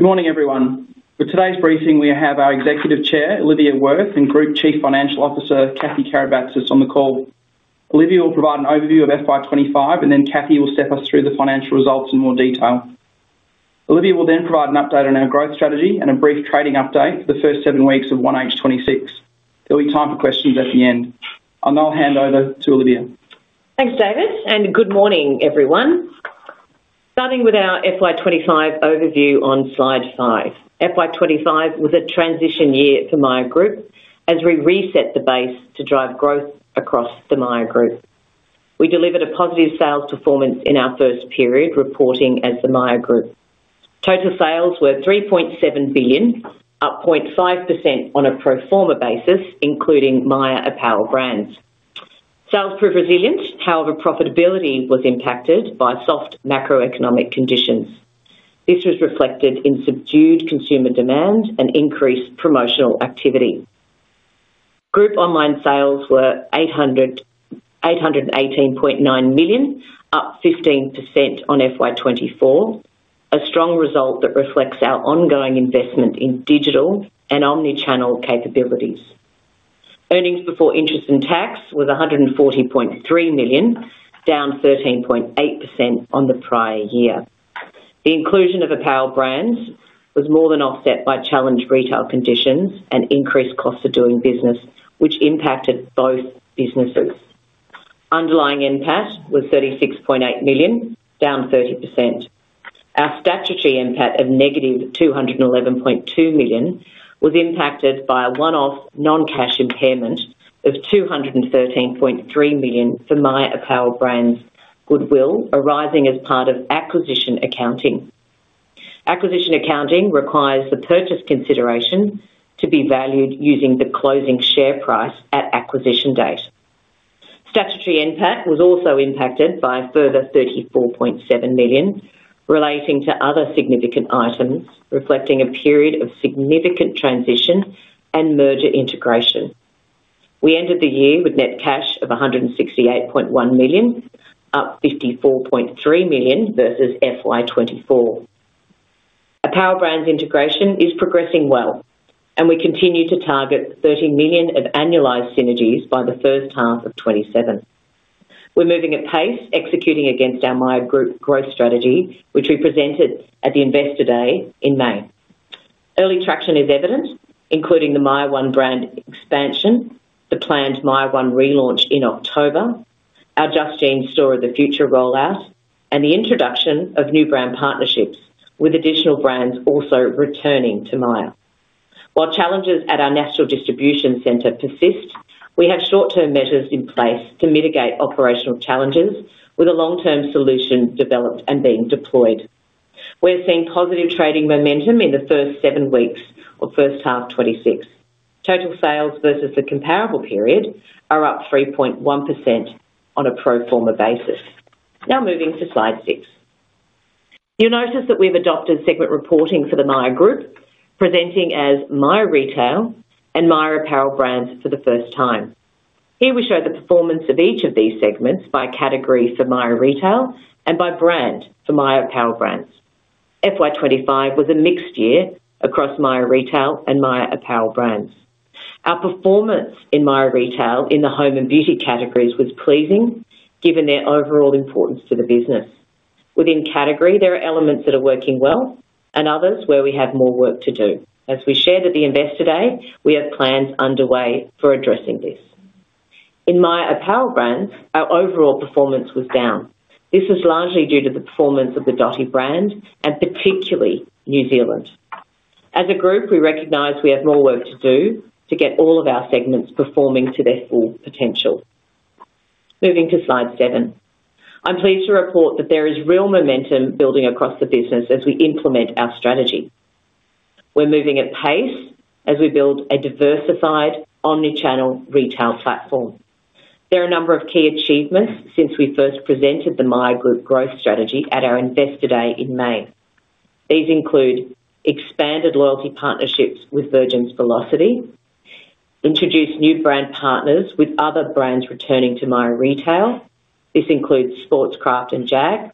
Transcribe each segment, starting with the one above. Good morning, everyone. For today's briefing, we have our Executive Chair, Olivia Wirth, and Group Chief Financial Officer, Kathy Karabatsas, on the call. Olivia will provide an overview of FY 2025, and then Kathy will step us through the financial results in more detail. Olivia will then provide an update on our growth strategy and a brief trading update for the first seven weeks of 1H 2026. There will be time for questions at the end. I'll now hand over to Olivia. Thanks, David, and good morning, everyone. Starting with our FY 2025 overview on slide five, FY 2025 was a transition year for Myer Group as we reset the base to drive growth across the Myer Group. We delivered a positive sales performance in our first period, reporting as the Myer Group. Total sales were $3.7 billion, up 0.5% on a pro forma basis, including Myer Apparel Brands. Sales proved resilient, however, profitability was impacted by soft macro-economic conditions. This was reflected in subdued consumer demand and increased promotional activity. Group online sales were $818.9 million, up 15% on FY 2024, a strong result that reflects our ongoing investment in digital and omnichannel capabilities. Earnings before interest and tax were $140.3 million, down 13.8% on the prior year. The inclusion of Apparel Brands was more than offset by challenged retail conditions and increased cost of doing business, which impacted both businesses. Underlying NPAT was $36.8 million, down 30%. Our statutory NPAT of -$211.2 million was impacted by a one-off non-cash impairment of $213.3 million for Myer Apparel Brands goodwill, arising as part of acquisition accounting. Acquisition accounting requires the purchase consideration to be valued using the closing share price at acquisition date. Statutory NPAT was also impacted by a further $34.7 million, relating to other significant items, reflecting a period of significant transition and merger integration. We ended the year with net cash of $168.1 million, up $54.3 million versus FY 2024. Apparel Brands' integration is progressing well, and we continue to target $30 million of annualized synergies by the first half of 2027. We're moving at pace, executing against our Myer Group growth strategy, which we presented at the Investor Day in May. Early traction is evident, including the MYER one brand expansion, the planned MYER one relaunch in October, our Just Jeans Store of the future rollout, and the introduction of new brand partnerships, with additional brands also returning to Myer. While challenges at our N ational Distribution Centre persist, we have short-term measures in place to mitigate operational challenges, with a long-term solution developed and being deployed. We're seeing positive trading momentum in the first seven weeks of first half 2026. Total sales versus the comparable period are up 3.1% on a pro forma basis. Now moving to slide six. You'll notice that we've adopted segment reporting for the Myer Group, presenting as Myer Retail and Myer Apparel Brands for the first time. Here we show the performance of each of these segments by category for Myer Retail and by brand for Myer Apparel Brands. FY 2025 was a mixed year across Myer Retail and Myer Apparel Brands. Our performance in Myer Retail in the home and beauty categories was pleasing, given their overall importance to the business. Within category, there are elements that are working well, and others where we have more work to do. As we shared at the Investor Day, we have plans underway for addressing this. In Myer Apparel Brands, our overall performance was down. This was largely due to the performance of the Dotti brand and particularly New Zealand. As a group, we recognize we have more work to do to get all of our segments performing to their full potential. Moving to slide seven, I'm pleased to report that there is real momentum building across the business as we implement our strategy. We're moving at pace as we build a diversified omnichannel retail platform. There are a number of key achievements since we first presented the Myer Group growth strategy at our Investor Day in May. These include expanded loyalty partnerships with Virgin's Velocity, introduced new brand partners with other brands returning to Myer Retail. This includes Sportscraft and Jag.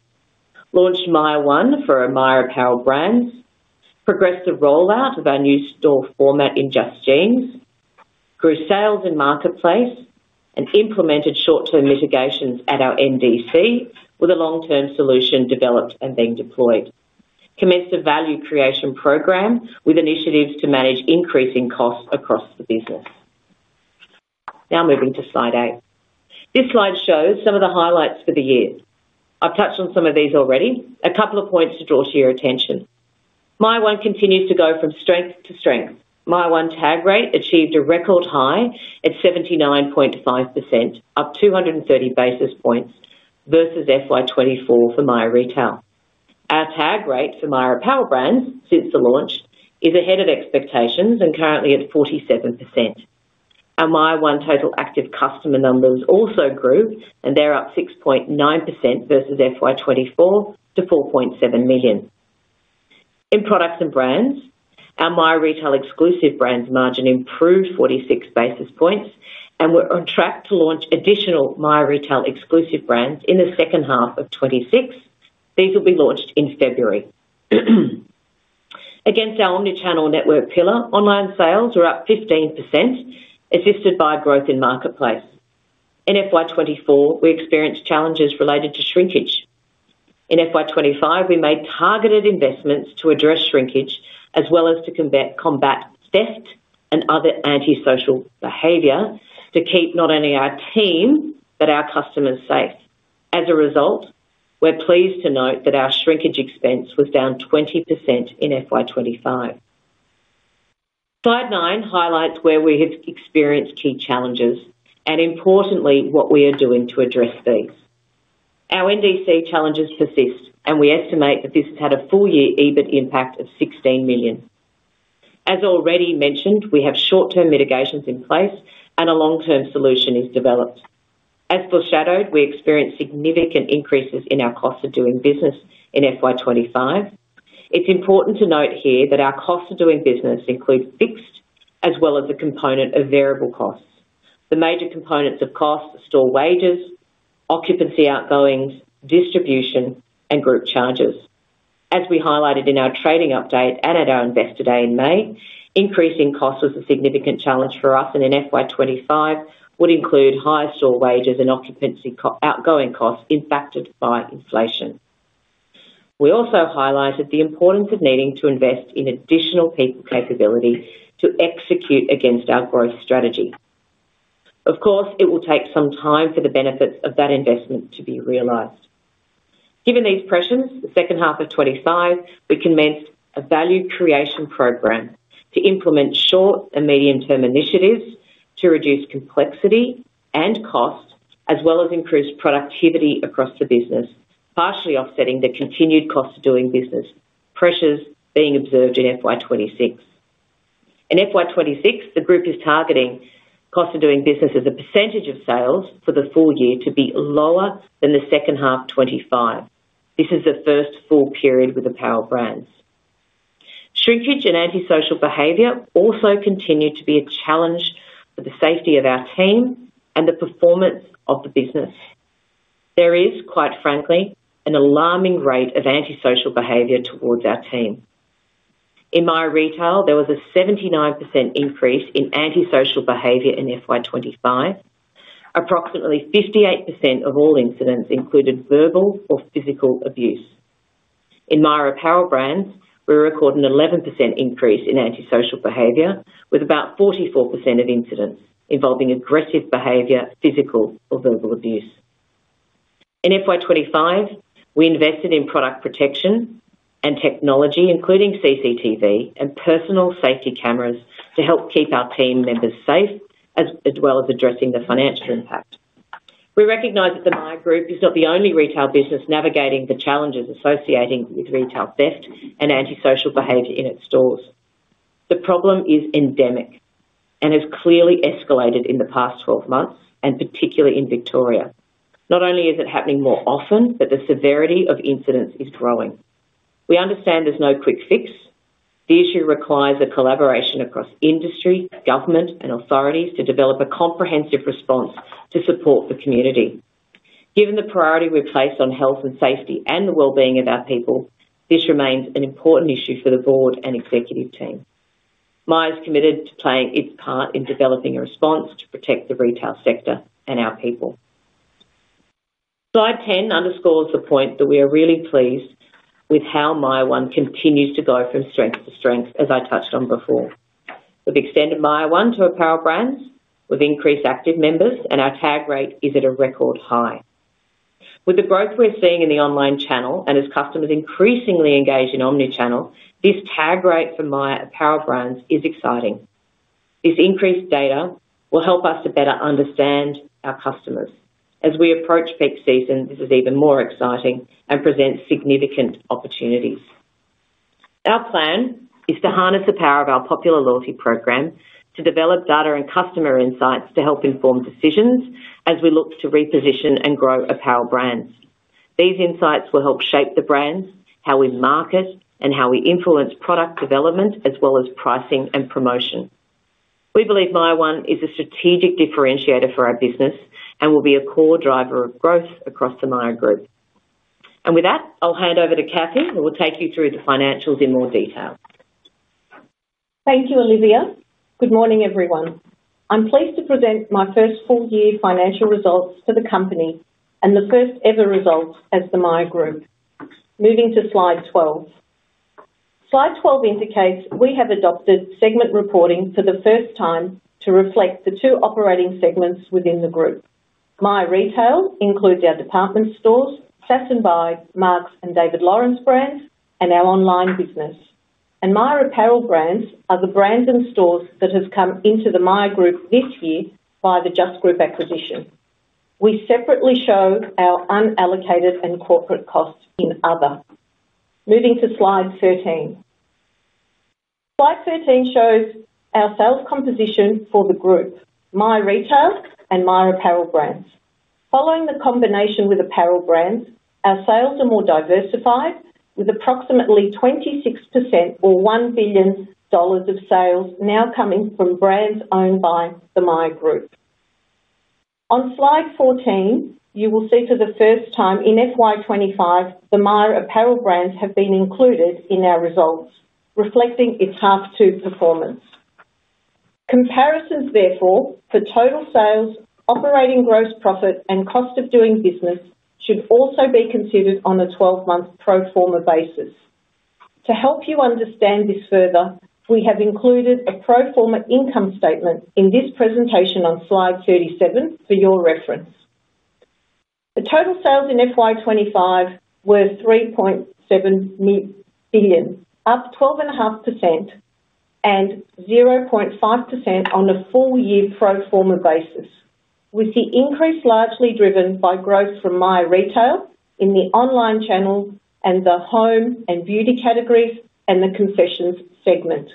Launched MYER one for Myer Apparel Brands, progressed the rollout of our new store format in Just Jeans, grew sales in Marketplace, and implemented short-term mitigations at our NDC, with a long-term solution developed and then deployed. Commenced a value creation program with initiatives to manage increasing costs across the business. Now moving to slide eight. This slide shows some of the highlights for the year. I've touched on some of these already. A couple of points to draw to your attention. MYER one continues to go from strength to strength. MYER one tag rate achieved a record high at 79.5%, up 230 basis points versus FY 2024 for Myer Retail. Our tag rate for Myer Apparel Brands since the launch is ahead of expectations and currently at 47%. Our MYER one total active customer numbers also grew, and they're up 6.9% versus FY 2024 to 4.7 million. In products and brands, our Myer Retail exclusive brands margin improved 46 basis points, and we're on track to launch additional Myer Retail exclusive brands in the second half of 2026. These will be launched in February. Against our omnichannel network pillar, online sales are up 15%, assisted by growth in Marketplace. In FY 2024, we experienced challenges related to shrinkage. In FY 20 25, we made targeted investments to address shrinkage, as well as to combat theft and other antisocial behavior to keep not only our team but our customers safe. As a result, we're pleased to note that our shrinkage expense was down 20% in FY 2025. Slide nine highlights where we have experienced key challenges and, importantly, what we are doing to address these. Our NDC challenges persist, and we estimate that this has had a full-year EBIT impact of $16 million. As already mentioned, we have short-term mitigations in place, and a long-term solution is developed. As foreshadowed, we experienced significant increases in our cost of doing business in FY 2025. It's important to note here that our cost of doing business includes fixed, as well as a component of variable costs. The major components of costs are store wages, occupancy outgoings, distribution, and group charges. As we highlighted in our trading update and at our Investor Day in May, increasing costs was a significant challenge for us, and in FY 2025, would include higher store wages and occupancy outgoing costs impacted by inflation. We also highlighted the importance of needing to invest in additional people capability to execute against our growth strategy. Of course, it will take some time for the benefits of that investment to be realized. Given these pressures, the second half of 2025, we commenced a value creation program to implement short and medium-term initiatives to reduce complexity and cost, as well as increase productivity across the business, partially offsetting the continued cost of doing business pressures being observed in FY 2026. In FY 2026, the group is targeting cost of doing business as a percentage of sales for the full year to be lower than the second half of 2025. This is the first full period with Apparel Brands. Shrinkage and antisocial behavior also continue to be a challenge for the safety of our team and the performance of the business. There is, quite frankly, an alarming rate of antisocial behavior towards our team. In Myer Retail, there was a 79% increase in antisocial behavior in FY 2025. Approximately 58% of all incidents included verbal or physical abuse. In Myer Apparel Brands, we record an 11% increase in antisocial behavior, with about 44% of incidents involving aggressive behavior, physical or verbal abuse. In FY 2025, we invested in product protection and technology, including CCTV and personal safety cameras, to help keep our team members safe, as well as addressing the financial impact. We recognize that the Myer Group is not the only retail business navigating the challenges associated with retail theft and antisocial behavior in its stores. The problem is endemic and has clearly escalated in the past 12 months, particularly in Victoria. Not only is it happening more often, but the severity of incidents is growing. We understand there's no quick fix. The issue requires a collaboration across industry, government, and authorities to develop a comprehensive response to support the community. Given the priority we've placed on health and safety and the well-being of our people, this remains an important issue for the Board and Executive Team. Myer is committed to playing its part in developing a response to protect the retail sector and our people. Slide 10 underscores the point that we are really pleased with how MYER one continues to go from strength to strength, as I touched on before. We've extended MYER one to Apparel Brands with increased active members, and our tag rate is at a record high. With the growth we're seeing in the online channel and as customers increasingly engage in omnichannel, this tag rate for Myer Apparel Brands is exciting. This increased data will help us to better understand our customers. As we approach peak season, this is even more exciting and presents significant opportunities. Our plan is to harness the power of our popular loyalty program to develop data and customer insights to help inform decisions as we look to reposition and grow Apparel Brands. These insights will help shape the brands, how we market, and how we influence product development, as well as pricing and promotion. We believe MYER one is a strategic differentiator for our business and will be a core driver of growth across the Myer Group. With that, I'll hand over to Kathy, who will take you through the financials in more detail. Thank you, Olivia. Good morning, everyone. I'm pleased to present my first full-year financial results for the company and the first-ever results as the Myer Group. Moving to slide 12. Slide 12 indicates we have adopted segment reporting for the first time to reflect the two operating segments within the group. Myer Retail includes our department stores, Fashion By Marcs and David Lawrence brands, and our online business. Myer Apparel Brands are the brands and stores that have come into the Myer Group this year by the Just Group acquisition. We separately show our unallocated and corporate costs in other. Moving to slide 13. Slide 13 shows our sales composition for the group, Myer Retail and Myer Apparel Brands. Following the combination with Apparel Brands, our sales are more diversified, with approximately 26% or $1 billion of sales now coming from brands owned by the Myer Group. On slide 14, you will see for the first time in FY 2025, the Myer Apparel Brands have been included in our results, reflecting its half-year performance. Comparisons, therefore, for total sales, operating gross profit, and cost of doing business should also be considered on a 12-month pro forma basis. To help you understand this further, we have included a pro forma income statement in this presentation on slide 37 for your reference. The total sales in FY 2025 were $3.7 billion, up 12.5% and 0.5% on a full-year pro forma basis, with the increase largely driven by growth from Myer Retail in the online channel and the home and beauty categories and the concessions segment.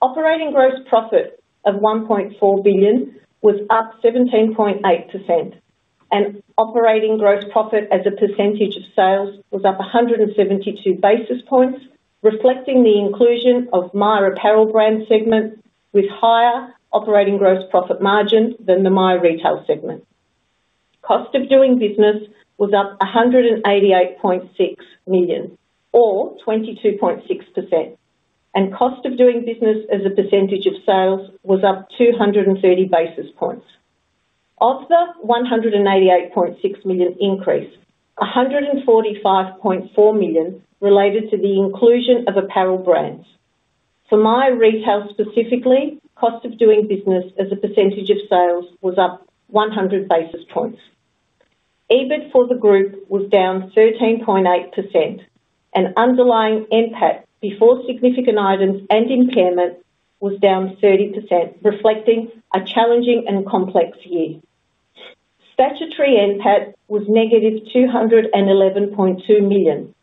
Operating gross profit of $1.4 billion was up 17.8%, and operating gross profit as a percentage of sales was up 172 basis points, reflecting the inclusion of Myer Apparel Brands' segment with higher operating gross profit margin than the Myer Retail segment. Cost of doing business was up $188.6 million, or 22.6%, and cost of doing business as a percentage of sales was up 230 basis points. Of the $188.6 million increase, $145.4 million related to the inclusion of Apparel Brands. For Myer Retail specifically, cost of doing business as a percentage of sales was up 100 basis points. EBIT for the group was down 13.8%, and underlying impact before significant items and impairment was down 30%, reflecting a challenging and complex year. Statutory impact was -$211.2 million.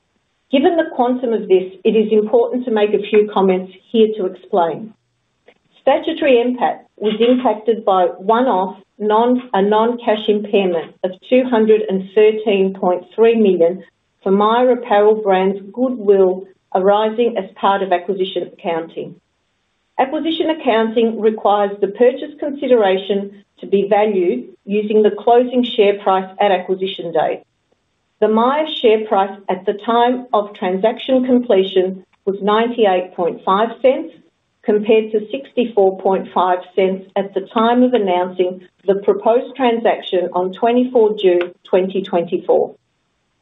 Given the quantum of this, it is important to make a few comments here to explain. Statutory impact was impacted by one-off non-cash impairment of $213.3 million for Myer Apparel Brands' goodwill, arising as part of acquisition accounting. Acquisition accounting requires the purchase consideration to be valued using the closing share price at acquisition date. The Myer share price at the time of transaction completion was $0.985 compared to $0.645 at the time of announcing the proposed transaction on 24 June 2024.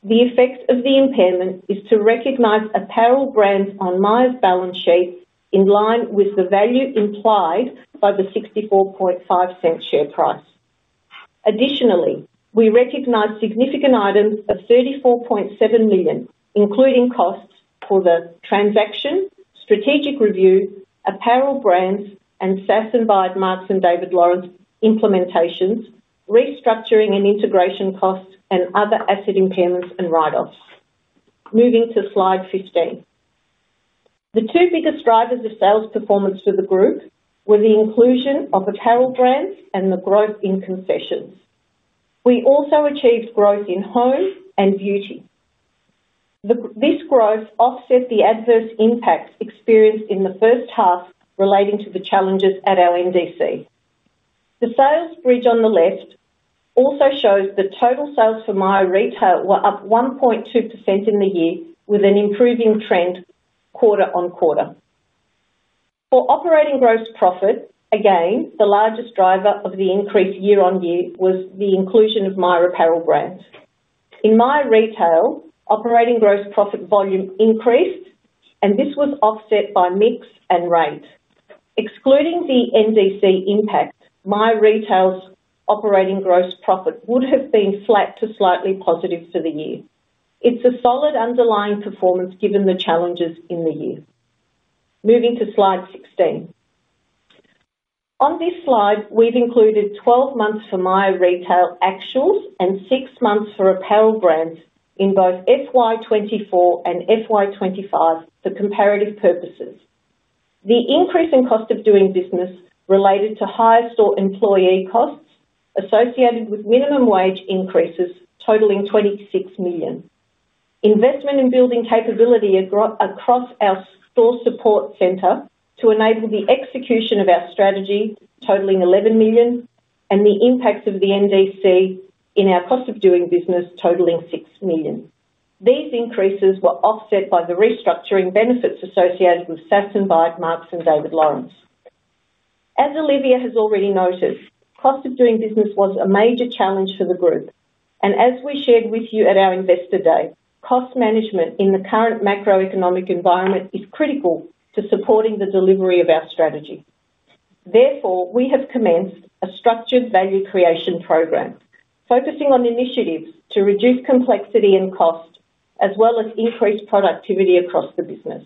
The effect of the impairment is to recognize Apparel Brands on Myer's balance sheets in line with the value implied by the $0.645 share price. Additionally, we recognize significant items of $34.7 million, including costs for the transaction, strategic review, Apparel Brands, and Fashion By Marcs and David Lawrence implementations, restructuring and integration costs, and other asset impairments and write-offs. Moving to slide 15. The two biggest drivers of sales performance for the group were the inclusion of Apparel Brands and the growth in concessions. We also achieved growth in home and beauty. This growth offset the adverse impact experienced in the first half relating to the challenges at our NDC. The sales bridge on the left also shows the total sales for Myer Retail were up 1.2% in the year, with an improving trend quarter on quarter. For operating gross profit, again, the largest driver of the increase year on year was the inclusion of Myer Apparel Brands. In Myer Retail, operating gross profit volume increased, and this was offset by mix and rate. Excluding the NDC impact, Myer Retail's operating gross profit would have been flat to slightly positive for the year. It's a solid underlying performance given the challenges in the year. Moving to slide 16. On this slide, we've included 12 months for Myer Retail actuals and six months for Apparel Brands in both FY 2024 and FY 2025 for comparative purposes. The increase in cost of doing business related to higher store employee costs associated with minimum wage increases totaling $26 million. Investment in building capability across our store support centre to enable the execution of our strategy, totaling $11 million, and the impacts of the NDC in our cost of doing business, totaling $6 million. These increases were offset by the restructuring benefits associated with Fashion By Marcs and David Lawrence. As Olivia has already noted, cost of doing business was a major challenge for the group, and as we shared with you at our Investor Day, cost management in the current macro-economic environment is critical to supporting the delivery of our strategy. Therefore, we have commenced a structured value creation program, focusing on initiatives to reduce complexity and cost, as well as increase productivity across the business.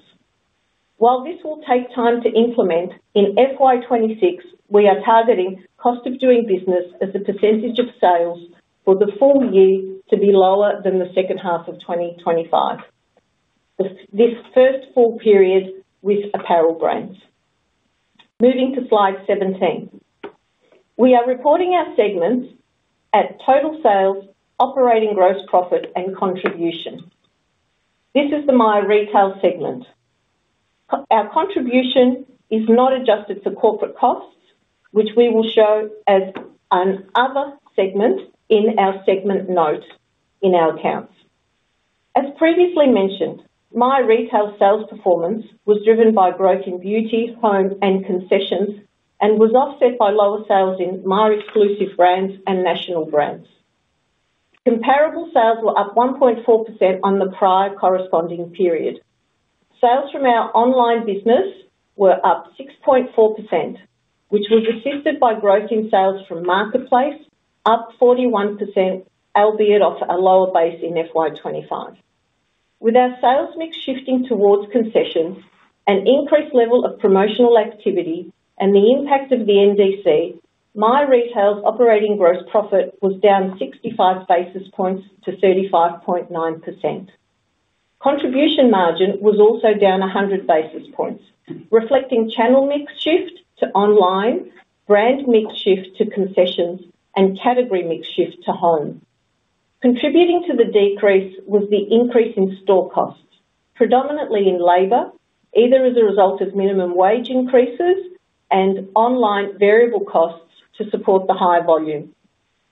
While this will take time to implement, in FY 2026, we are targeting cost of doing business as a percentage of sales for the full year to be lower than the second half of 2025. This is the first full period with Apparel Brands. Moving to slide 17, we are reporting our segments at total sales, operating gross profit, and contribution. This is the Myer Retail segment. Our contribution is not adjusted for corporate costs, which we will show as another segment in our segment note in our accounts. As previously mentioned, Myer Retail sales performance was driven by growth in beauty, home, and concessions, and was offset by lower sales in Myer exclusive brands and national brands. Comparable sales were up 1.4% on the prior corresponding period. Sales from our online business were up 6.4%, which was assisted by growth in sales from Marketplace, up 41%, albeit off a lower base in FY 2025. With our sales mix shifting towards concessions, an increased level of promotional activity, and the impact of the NDC, Myer Retail's operating gross profit was down 65 basis points to 35.9%. Contribution margin was also down 100 basis points, reflecting channel mix shift to online, brand mix shift to concessions, and category mix shift to home. Contributing to the decrease was the increase in store costs, predominantly in labor, either as a result of minimum wage increases and online variable costs to support the high volume.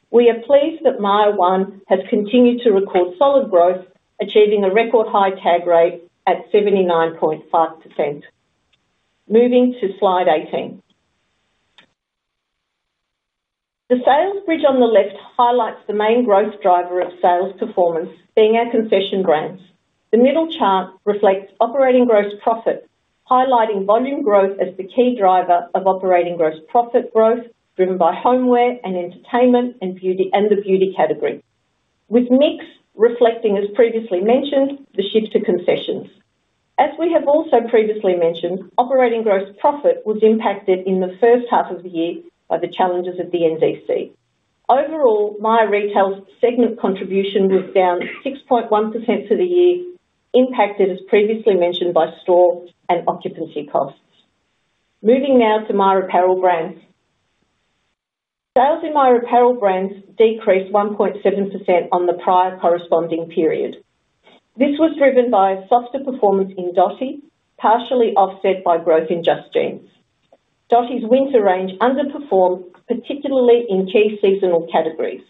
We are pleased that MYER one has continued to record solid growth, achieving a record high tag rate at 79.5%. Moving to slide 18. The sales bridge on the left highlights the main growth driver of sales performance, being our concession brands. The middle chart reflects operating gross profit, highlighting volume growth as the key driver of operating gross profit growth, driven by homeware and entertainment and the beauty category, with mix reflecting, as previously mentioned, the shift to concessions. As we have also previously mentioned, operating gross profit was impacted in the first half of the year by the challenges of the NDC. Overall, Myer Retail's segment contribution was down 6.1% for the year, impacted, as previously mentioned, by store and occupancy costs. Moving now to Myer Apparel Brands. Sales in Myer Apparel Brands decreased 1.7% on the prior corresponding period. This was driven by a softer performance in Dotti, partially offset by growth in Just Jeans. Dotti's winter range underperformed, particularly in key seasonal categories.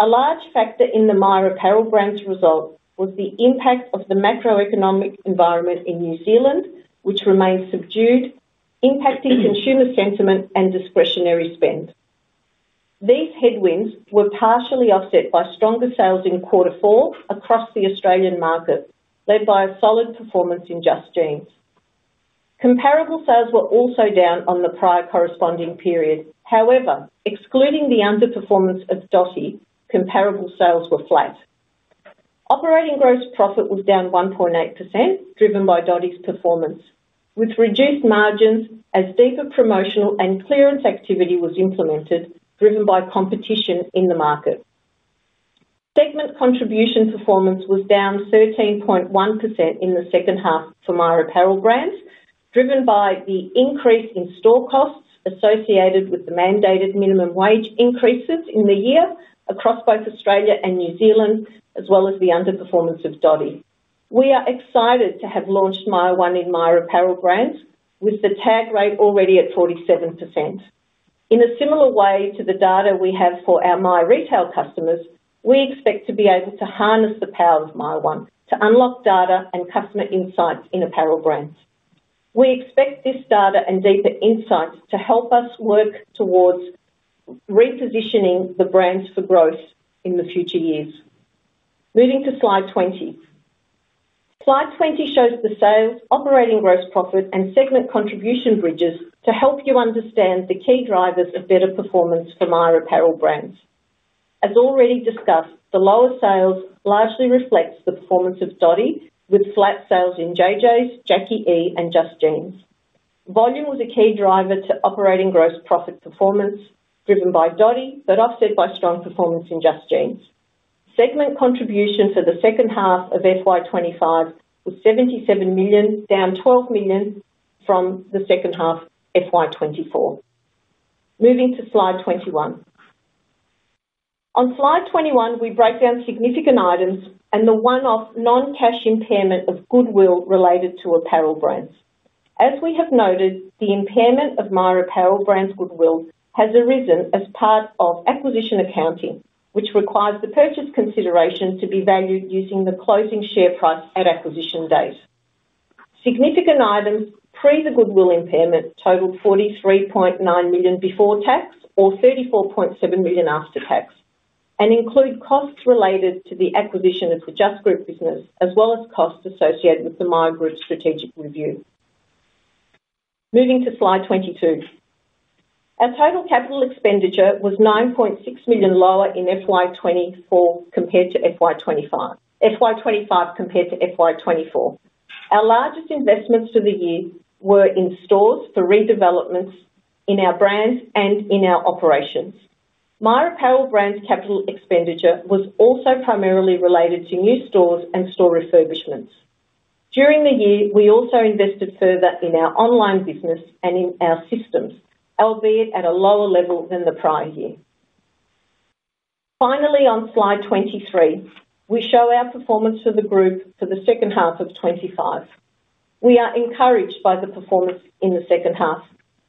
A large factor in the Myer Apparel Brands' result was the impact of the macro-economic environment in New Zealand, which remains subdued, impacting consumer sentiment and discretionary spend. These headwinds were partially offset by stronger sales in quarter four across the Australian market, led by a solid performance in Just Jeans. Comparable sales were also down on the prior corresponding period. However, excluding the underperformance of Dotti, comparable sales were flat. Operating gross profit was down 1.8%, driven by Dotti's performance, with reduced margins as deeper promotional and clearance activity was implemented, driven by competition in the market. Segment contribution performance was down 13.1% in the second half for Myer Apparel Brands, driven by the increase in store costs associated with the mandated minimum wage increases in the year across both Australia and New Zealand, as well as the underperformance of Dotti. We are excited to have launched MYER one in Myer Apparel Brands, with the tag rate already at 47%. In a similar way to the data we have for our Myer Retail customers, we expect to be able to harness the power of MYER one to unlock data and customer insight in Apparel Brands. We expect this data and deeper insight to help us work towards repositioning the brands for growth in the future years. Moving to slide 20. Slide 20 shows the sales, operating gross profit, and segment contribution bridges to help you understand the key drivers of better performance for Myer Apparel Brands. As already discussed, the lower sales largely reflect the performance of Dotti, with flat sales in Jay Jays, Jacqui E, and Just Jeans. Volume was a key driver to operating gross profit performance, driven by Dotti, but offset by strong performance in Just Jeans. Segment contribution for the second half of FY 2025 was $77 million, down $12 million from the second half FY 2024. Moving to slide 21. On slide 21, we break down significant items and the one-off non-cash impairment of goodwill related to Apparel Brands. As we have noted, the impairment of Myer Apparel Brands' goodwill has arisen as part of acquisition accounting, which requires the purchase consideration to be valued using the closing share price at acquisition date. Significant items pre the goodwill impairment totaled $43.9 million before tax or $34.7 million after tax and include costs related to the acquisition of the Just Group business, as well as costs associated with the Myer Group strategic review. Moving to slide 22, our total capital expenditure was $9.6 million lower in FY 2025 compared to FY 2024. Our largest investments for the year were in stores for redevelopments, in our brands, and in our operations. Myer Apparel Brands' capital expenditure was also primarily related to new stores and store refurbishments. During the year, we also invested further in our online business and in our systems, albeit at a lower level than the prior year. Finally, on slide 23, we show our performance for the group for the second half of 2025. We are encouraged by the performance in the second half.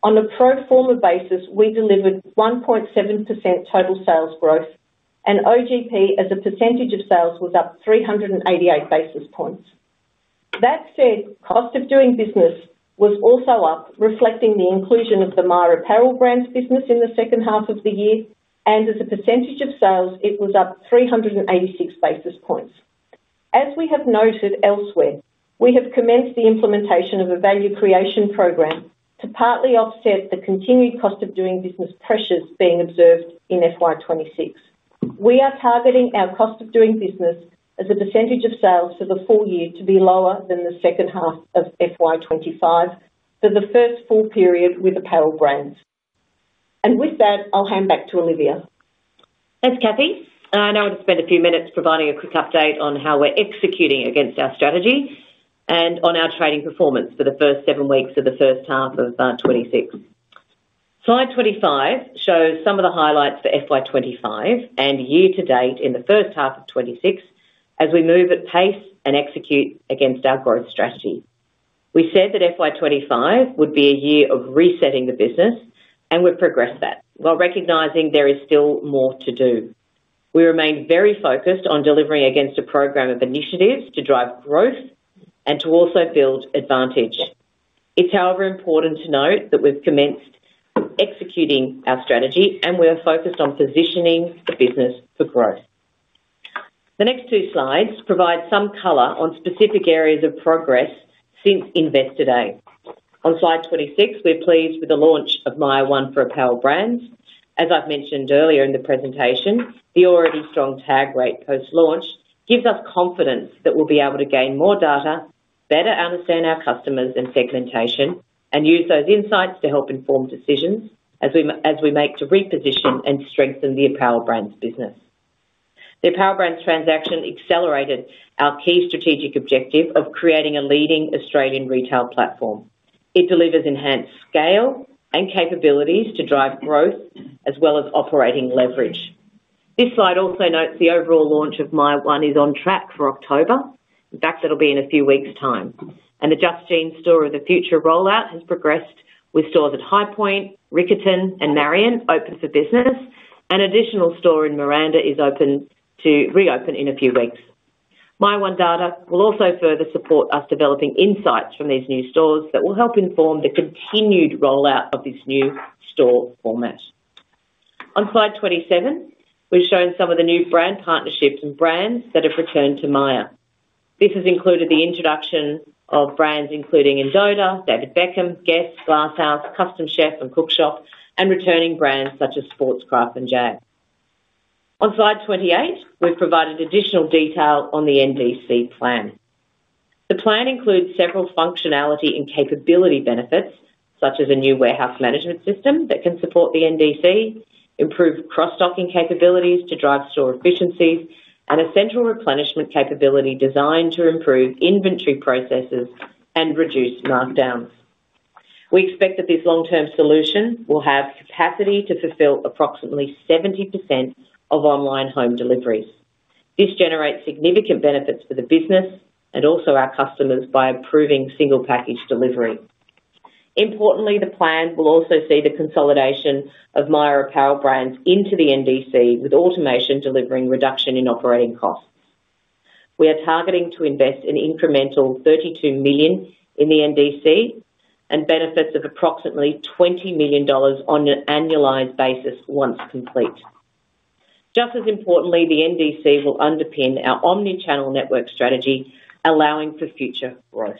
On a pro forma basis, we delivered 1.7% total sales growth, and OGP as a percentage of sales was up 388 basis points. That said, cost of doing business was also up, reflecting the inclusion of the Myer Apparel Brands' business in the second half of the year, and as a percentage of sales, it was up 386 basis points. As we have noted elsewhere, we have commenced the implementation of a value creation program to partly offset the continued cost of doing business pressures being observed in FY 2026. We are targeting our cost of doing business as a percentage of sales for the full year to be lower than the second half of FY 2025 for the first full period with Apparel Brands. With that, I'll hand back to Olivia. Thanks, Kathy. I want to spend a few minutes providing a quick update on how we're executing against our strategy and on our trading performance for the first seven weeks of the first half of 2026. Slide 25 shows some of the highlights for FY 2025 and year to date in the first half of 2026, as we move at pace and execute against our growth strategy. We said that FY 2025 would be a year of resetting the business, and we've progressed that, while recognizing there is still more to do. We remain very focused on delivering against a program of initiatives to drive growth and to also build advantage. It's, however, important to note that we've commenced executing our strategy, and we are focused on positioning the business for growth. The next two slides provide some color on specific areas of progress since Investor Day. On slide 26, we're pleased with the launch of MYER one for Apparel Brands. As I've mentioned earlier in the presentation, the already strong tag rate post-launch gives us confidence that we'll be able to gain more data, better understand our customers and segmentation, and use those insights to help inform decisions as we make to reposition and strengthen the Apparel Brands' business. The Apparel Brands' transaction accelerated our key strategic objective of creating a leading Australian retail platform. It delivers enhanced scale and capabilities to drive growth, as well as operating leverage. This slide also notes the overall launch of MYER one is on track for October. In fact, it'll be in a few weeks' time. The Just Jeans Store of the Future rollout has progressed with stores at High Point, Riccarton, and Marion open for business, and an additional store in Miranda is open to reopen in a few weeks. MYER one data will also further support us developing insights from these new stores that will help inform the continued rollout of this new store format. On slide 27, we've shown some of the new brand partnerships and brands that have returned to Myer. This has included the introduction of brands including Endota, David Beckham, Guess, Glasshouse, Custom Chef, and Cook Shop, and returning brands such as Sportscraft and Jag. On slide 28, we've provided additional detail on the NDC plan. The plan includes several functionality and capability benefits, such as a new warehouse management system that can support the NDC, improved cross-stocking capabilities to drive store efficiencies, and a central replenishment capability designed to improve inventory processes and reduce markdowns. We expect that this long-term solution will have capacity to fulfill approximately 70% of online home deliveries. This generates significant benefits for the business and also our customers by improving single package delivery. Importantly, the plan will also see the consolidation of Myer Apparel Brands into the NDC, with automation delivering reduction in operating costs. We are targeting to invest an incremental $32 million in the NDC and benefits of approximately $20 million on an annualized basis once complete. Just as importantly, the NDC will underpin our omnichannel network strategy, allowing for future growth.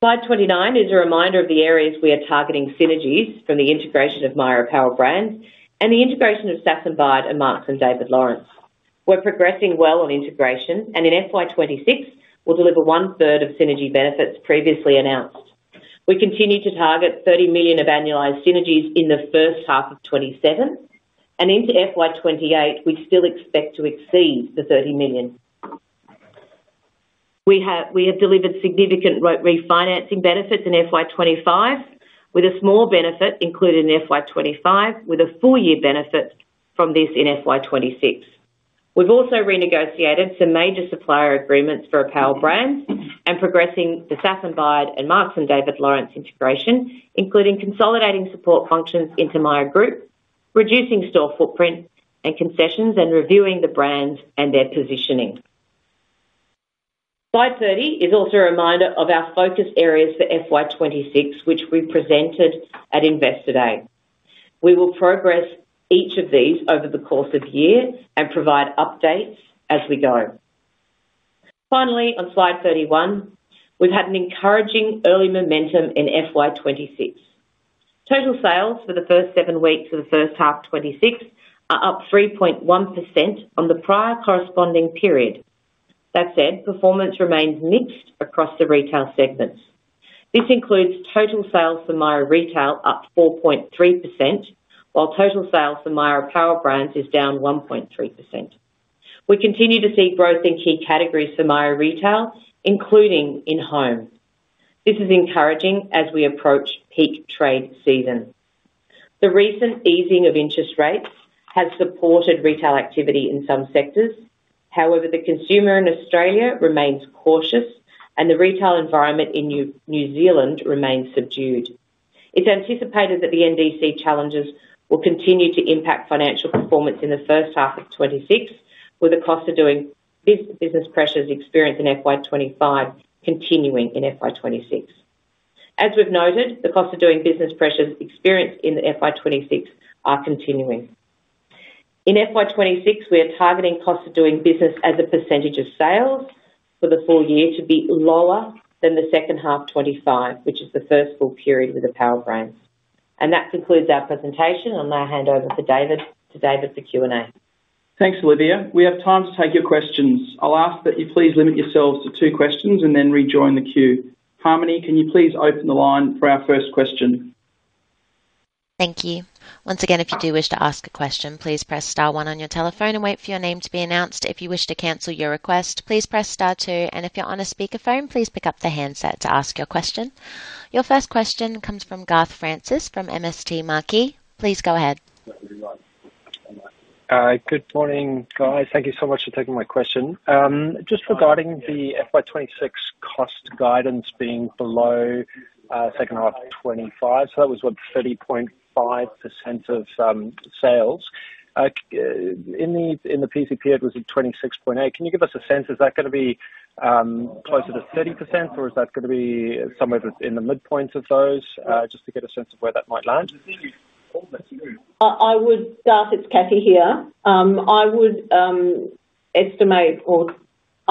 Slide 29 is a reminder of the areas we are targeting synergies from the integration of Myer Apparel Brands and the integration of Marcs and David Lawrence. We're progressing well on integration, and in FY 2026, we'll deliver one-third of synergy benefits previously announced. We continue to target $30 million of annualized synergies in the first half of 2027, and into FY 2028, we'd still expect to exceed the $30 million. We have delivered significant refinancing benefits in FY 2025, with a small benefit included in FY 2025 with a full-year benefit from this in FY 2026. We've also renegotiated some major supplier agreements for Apparel Brands and progressing the Marcs and David Lawrence integration, including consolidating support functions into Myer Group, reducing store footprint and concessions, and reviewing the brands and their positioning. Slide 30 is also a reminder of our focus areas for FY 2026, which we presented at Investor Day. We will progress each of these over the course of the year and provide updates as we go. Finally, on slide 31, we've had an encouraging early momentum in FY 2026. Total sales for the first seven weeks of the first half of 2026 are up 3.1% on the prior corresponding period. That said, performance remains mixed across the retail segments. This includes total sales for Myer Retail up 4.3%, while total sales for Myer Apparel Brands is down 1.3%. We continue to see growth in key categories for Myer Retail, including in home. This is encouraging as we approach peak trade season. The recent easing of interest rates has supported retail activity in some sectors. However, the consumer in Australia remains cautious, and the retail environment in New Zealand remains subdued. It's anticipated that the NDC challenges will continue to impact financial performance in the first half of 2026, with the cost of doing business pressures experienced in FY 2025 continuing in FY 2026. As we've noted, the cost of doing business pressures experienced in FY 2026 are continuing. In FY 2026, we are targeting cost of doing business as a percentage of sales for the full year to be lower than the second half of 2025, which is the first full period with Apparel Brands. That concludes our presentation, and I'll now hand over to David for Q&A. Thanks, Olivia. We have time to take your questions. I'll ask that you please limit yourselves to two questions and then rejoin the queue. Harmony, can you please open the line for our first question? Thank you. Once again, if you do wish to ask a question, please press star one on your telephone and wait for your name to be announced. If you wish to cancel your request, please press star two. If you're on a speaker phone, please pick up the handset to ask your question. Your first question comes from Garth Francis from MST Marquee. Please go ahead. Good morning, guys. Thank you so much for taking my question. Just regarding the FY 2026 cost guidance being below second half of 2025, so that was what, 30.5% of sales? In the PC period, it was at 26.8%. Can you give us a sense? Is that going to be closer to 30%, or is that going to be somewhere in the midpoint of those? Just to get a sense of where that might land. Garth, it's Kathy here. I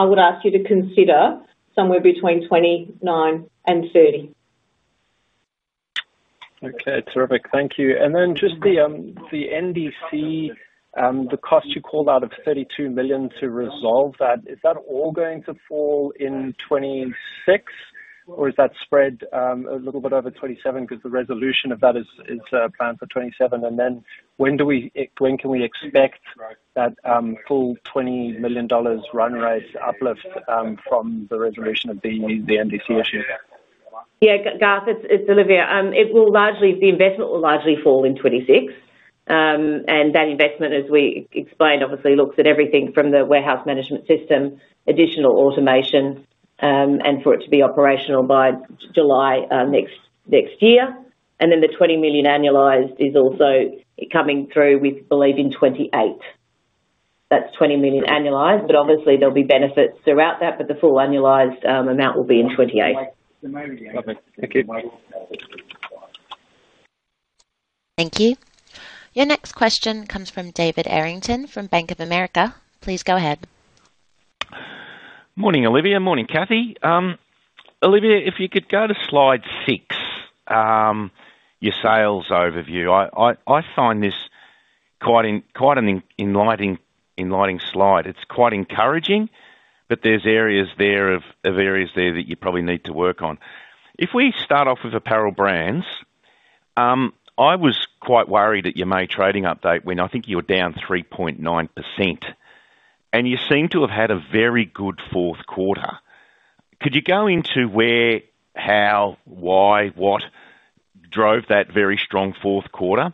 would ask you to consider somewhere between 29% and 30%. Okay, terrific. Thank you. The NDC, the cost you called out of $32 million to resolve that, is that all going to fall in 2026, or is that spread a little bit over 2027? The resolution of that is planned for 2027. When can we expect that full $20 million run rate to uplift from the resolution of the NDC issue? Yeah, Garth, it's Olivia. The investment will largely fall in 2026. That investment, as we explained, obviously looks at everything from the warehouse management system, additional automation, and for it to be operational by July next year. The $20 million annualized is also coming through, we believe, in 2028. That's $20 million annualized, but obviously there'll be benefits throughout that, but the full annualized amount will be in 2028. Thank you. Your next question comes from David Errington from Bank of America. Please go ahead. Morning, Olivia. Morning, Kathy. Olivia, if you could go to slide six, your sales overview. I find this quite an enlightening slide. It's quite encouraging, but there's areas there that you probably need to work on. If we start off with Apparel Brands, I was quite worried at your May trading update when I think you were down 3.9%, and you seem to have had a very good fourth quarter. Could you go into where, how, why, what drove that very strong fourth quarter?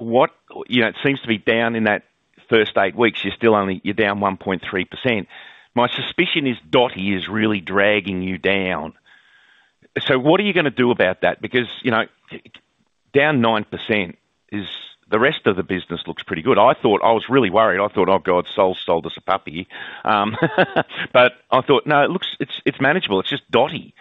What, you know, it seems to be down in that first eight weeks, you're still only, you're down 1.3%. My suspicion is Dotti is really dragging you down. What are you going to do about that? Because, you know, down 9% is the rest of the business looks pretty good. I thought, I was really worried. I thought, oh God, Saul's sold us a puppy. I thought, no, it looks, it's manageable. It's just Dotti.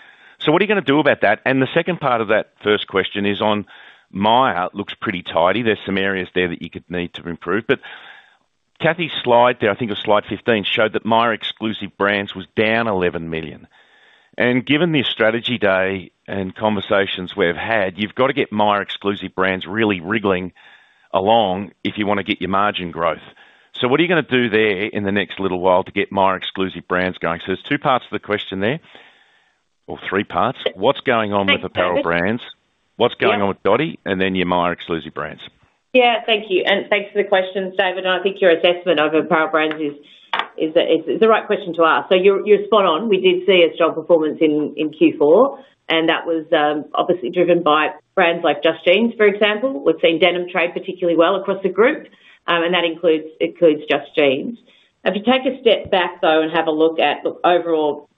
What are you going to do about that? The second part of that first question is on Myer, it looks pretty tidy. There's some areas there that you could need to improve. Kathy's slide there, I think it was slide 15, showed that Myer exclusive brands was down $11 million. Given the strategy day and conversations we've had, you've got to get Myer exclusive brands really wriggling along if you want to get your margin growth. What are you going to do there in the next little while to get Myer exclusive brands going? There's two parts to the question there, or three parts. What's going on with Apparel Brands? What's going on with Dotti? Then your Myer exclusive brands. Thank you. Thanks for the question, David. I think your assessment of Apparel Brands is the right question to ask. You're spot on. We did see a strong performance in Q4, and that was obviously driven by brands like Just Jeans, for example. We've seen denim trade particularly well across the group, and that includes Just Jeans. If you take a step back and have a look at overall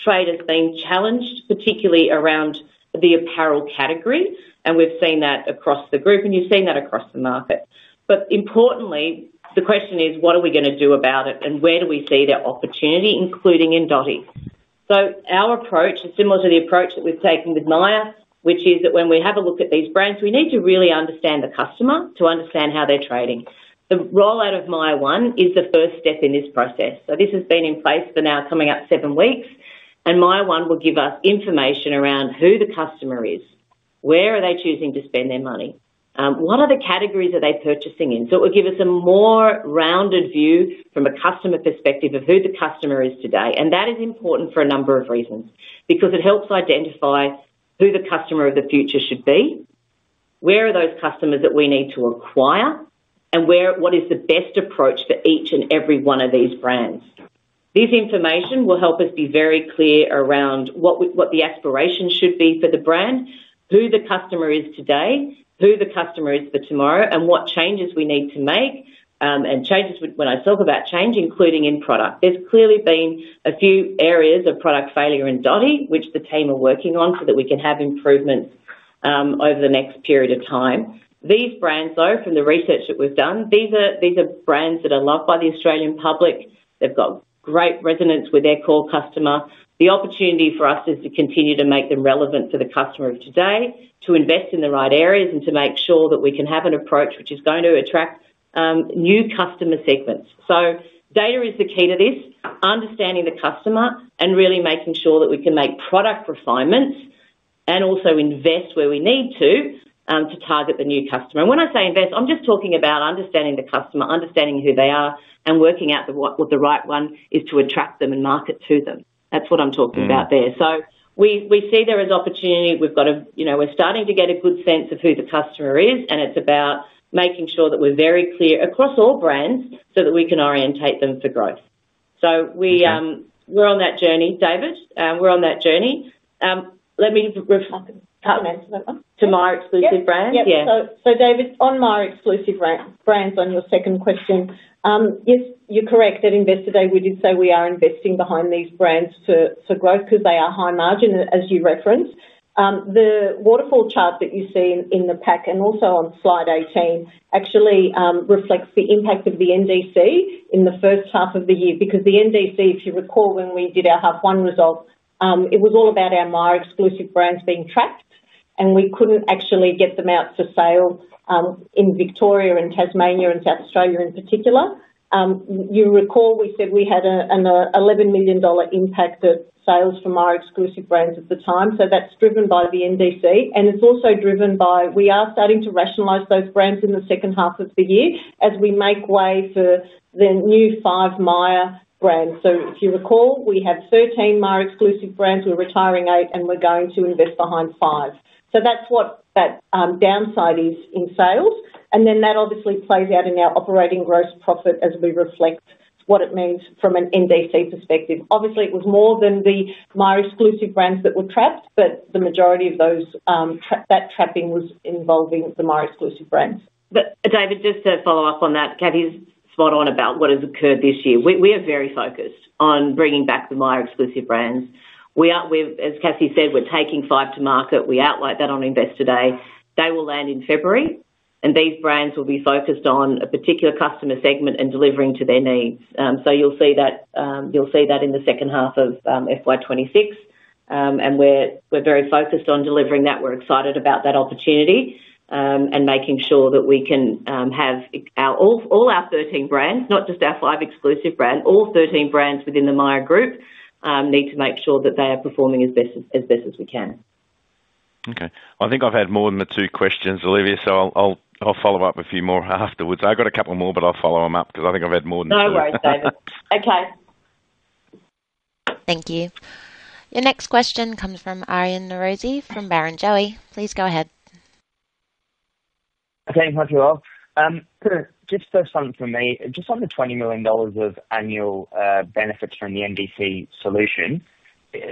trade, it has been challenged, particularly around the apparel category, and we've seen that across the group, and you've seen that across the market. Importantly, the question is, what are we going to do about it, and where do we see the opportunity, including in Dotti? Our approach is similar to the approach that we've taken with Myer, which is that when we have a look at these brands, we need to really understand the customer to understand how they're trading. The rollout of MYER one is the first step in this process. This has been in place for now coming up seven weeks, and MYER one will give us information around who the customer is, where they are choosing to spend their money, what other categories they are purchasing in. It will give us a more rounded view from a customer perspective of who the customer is today. That is important for a number of reasons because it helps identify who the customer of the future should be, where those customers are that we need to acquire, and what is the best approach for each and every one of these brands. This information will help us be very clear around what the aspiration should be for the brand, who the customer is today, who the customer is for tomorrow, and what changes we need to make, and changes when I talk about change, including in product. There's clearly been a few areas of product failure in Dotti, which the team are working on so that we can have improvement over the next period of time. These brands, from the research that we've done, are brands that are loved by the Australian public. They've got great resonance with their core customer. The opportunity for us is to continue to make them relevant for the customer of today, to invest in the right areas, and to make sure that we can have an approach which is going to attract new customer segments. Data is the key to this, understanding the customer, and really making sure that we can make product refinements and also invest where we need to to target the new customer. When I say invest, I'm just talking about understanding the customer, understanding who they are, and working out what the right one is to attract them and market to them. That's what I'm talking about there. We see there is opportunity. We're starting to get a good sense of who the customer is, and it's about making sure that we're very clear across all brands so that we can orientate them for growth. We're on that journey, David. Let me get to Myer exclusive brands, yeah. Yes, so David, on Myer exclusive brands, on your second question, yes, you're correct. At Investor Day, we did say we are investing behind these brands for growth because they are high margin, as you referenced. The waterfall chart that you see in the pack and also on slide 18 actually reflects the impact of the NDC in the first half of the year because the NDC, if you recall when we did our half one result, it was all about our Myer exclusive brands being trapped, and we couldn't actually get them out for sale in Victoria and Tasmania and South Australia in particular. You recall we said we had an $11 million impact at sales for Myer exclusive brands at the time. That's driven by the NDC, and it's also driven by we are starting to rationalize those brands in the second half of the year as we make way for the new five Myer brands. If you recall, we have 13 Myer exclusive brands. We're retiring eight, and we're going to invest behind five. That's what that downside is in sales. That obviously plays out in our operating gross profit as we reflect what it means from an NDC perspective. Obviously, it was more than the Myer exclusive brands that were trapped, but the majority of that trapping was involving the Myer exclusive brands. David, just to follow up on that, Kathy’s spot on about what has occurred this year. We are very focused on bringing back the Myer exclusive brands. We are, as Kathy said, we’re taking five to market. We outlined that on Investor Day. They will land in February, and these brands will be focused on a particular customer segment and delivering to their needs. You’ll see that in the second half of FY 2026, and we’re very focused on delivering that. We’re excited about that opportunity and making sure that we can have all our 13 brands, not just our five exclusive brands. All 13 brands within the Myer Group need to make sure that they are performing as best as we can. Okay. I think I've had more than the two questions, Olivia, so I'll follow up with a few more afterwards. I've got a couple more, but I'll follow them up because I think I've had more than two questions. No worries, David. Okay. Thank you. Your next question comes from Aryan Norozi from Barrenjoey. Please go ahead. Okay, hi to you all. Just first on for me, just on the $20 million of annualized benefits from the NDC solution,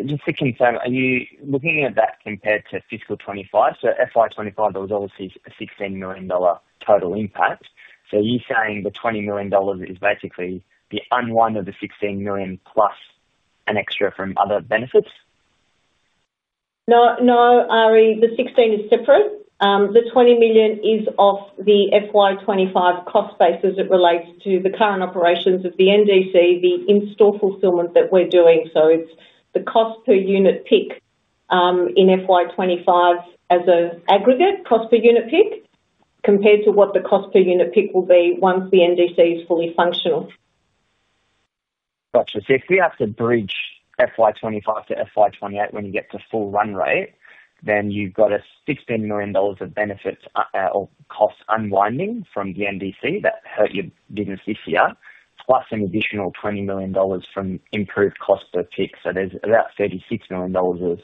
just to confirm, are you looking at that compared to fiscal 2025? FY 2025, there was obviously a $16 million total impact. Are you saying the $20 million is basically the unwind of the $16 million plus an extra from other benefits? No, Ari, the $16 million is separate. The $20 million is off the FY 2025 cost basis that relates to the current operations of the NDC, the in-store fulfillment that we're doing. It's the cost per unit pick in FY 2025 as an aggregate cost per unit pick compared to what the cost per unit pick will be once the NDC is fully functional. Gotcha. If you have to bridge FY 2025 to FY 2028 when you get to full run rate, then you've got a $16 million of benefits or cost unwinding from the NDC that hurt your business this year, plus an additional $20 million from improved cost per pick. There's about $36 million of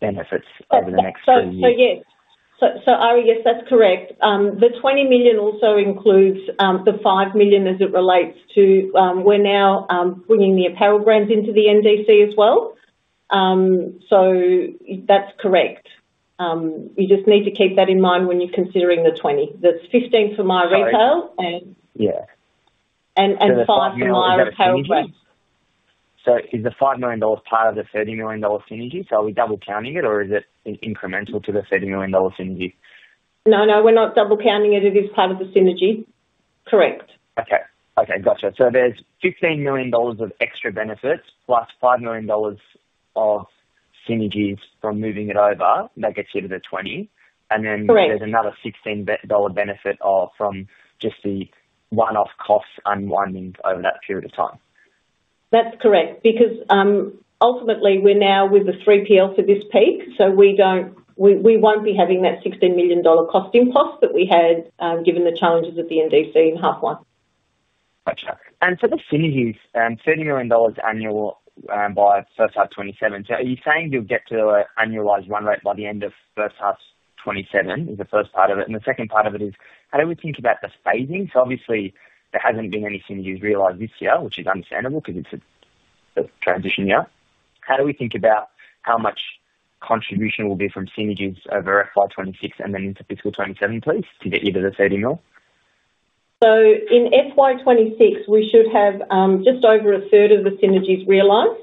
benefits over the next three years. Yes, Ari, yes, that's correct. The $20 million also includes the $5 million as it relates to we're now bringing the Apparel Brands into the NDC as well. That's correct. You just need to keep that in mind when you're considering the $20 million. That's $15 million for Myer Retail and $5 million for Myer Apparel Brands. Is the $5 million part of the $30 million synergy? Are we double counting it, or is it incremental to the $30 million synergy? No, we're not double counting it. It is part of the synergy, correct. Okay, gotcha. There's $15 million of extra benefits plus $5 million of synergies from moving it over that gets you to the $20 million. Correct. There is another $16 million benefit from just the one-off cost unwinding over that period of time. That's correct because ultimately we're now with a 3PL for this peak, so we won't be having that $16 million cost in post that we had given the challenges of the NDC in half one. Gotcha. For the synergies, $30 million annual by first half 2027, are you saying you'll get to annualized run rate by the end of first half 2027? The first part of it. The second part of it is, how do we think about the phasing? Obviously there hasn't been any synergies realized this year, which is understandable because it's a transition year. How do we think about how much contribution will be from synergies over FY 2026 and then into fiscal 2027, please, to get either the $30 million? In FY 2026, we should have just over a third of the synergies realized.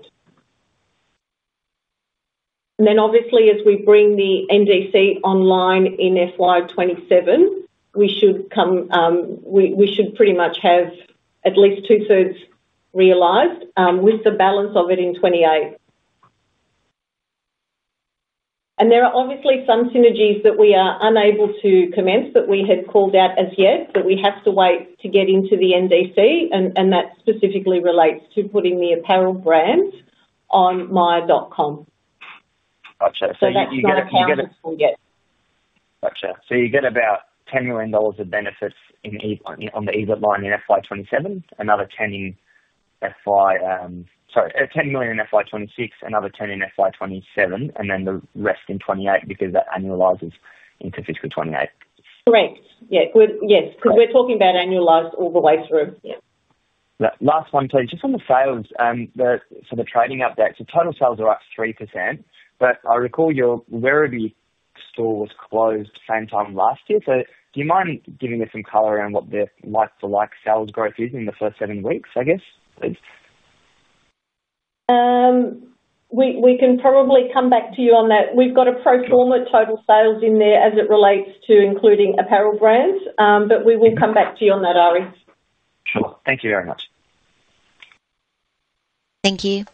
As we bring the NDC online in FY 2027, we should pretty much have at least two-thirds realized, with the balance of it in 2028. There are obviously some synergies that we are unable to commence that we had called out as yet, but we have to wait to get into the NDC, and that specifically relates to putting the Apparel Brands on myer.com. You get about $10 million of benefits on the EBIT line in FY 2026, another $10 million in FY 2027, and then the rest in FY 2028 because that annualizes into fiscal 2028. Correct. Yes, because we're talking about annualized all the way through. Yes. Last one, please, just on the sales. The trading update, total sales are up 3%, but I recall your Werribee store was closed same time last year. Do you mind giving us some color around what the like-for-like sales growth is in the first seven weeks, I guess? We can probably come back to you on that. We've got a pro forma total sales in there as it relates to including apparel brands, but we will come back to you on that, Ari. Sure, thank you very much. Thank you.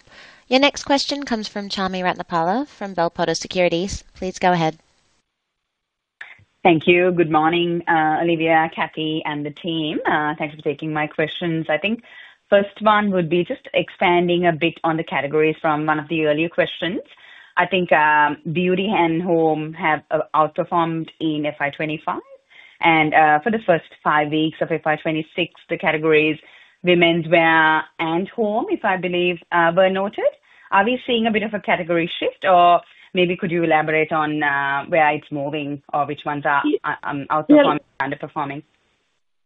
Your next question comes from Chami Ratnapala from Bell Potter Securities. Please go ahead. Thank you. Good morning, Olivia, Kathy, and the team. Thanks for taking my questions. I think the first one would be just expanding a bit on the categories from one of the earlier questions. I think beauty and home have outperformed in FY 2025. For the first five weeks of FY 2026, the categories women's wear and home, if I believe, were noted. Are we seeing a bit of a category shift, or maybe could you elaborate on where it's moving or which ones are outperforming and underperforming?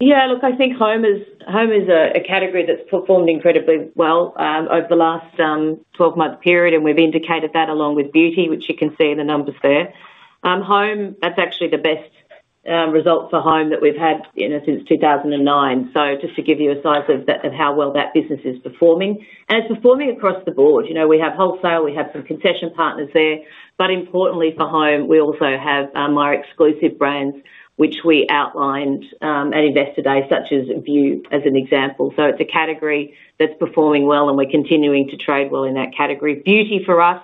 Yeah, look, I think home is a category that's performed incredibly well over the last 12-month period, and we've indicated that along with beauty, which you can see in the numbers there. Home, that's actually the best result for home that we've had since 2009. Just to give you a size of how well that business is performing, and it's performing across the board. We have wholesale, we have some concession partners there, but importantly for home, we also have Myer exclusive brands, which we outlined at Investor Day, such as Vue as an example. It's a category that's performing well, and we're continuing to trade well in that category. Beauty for us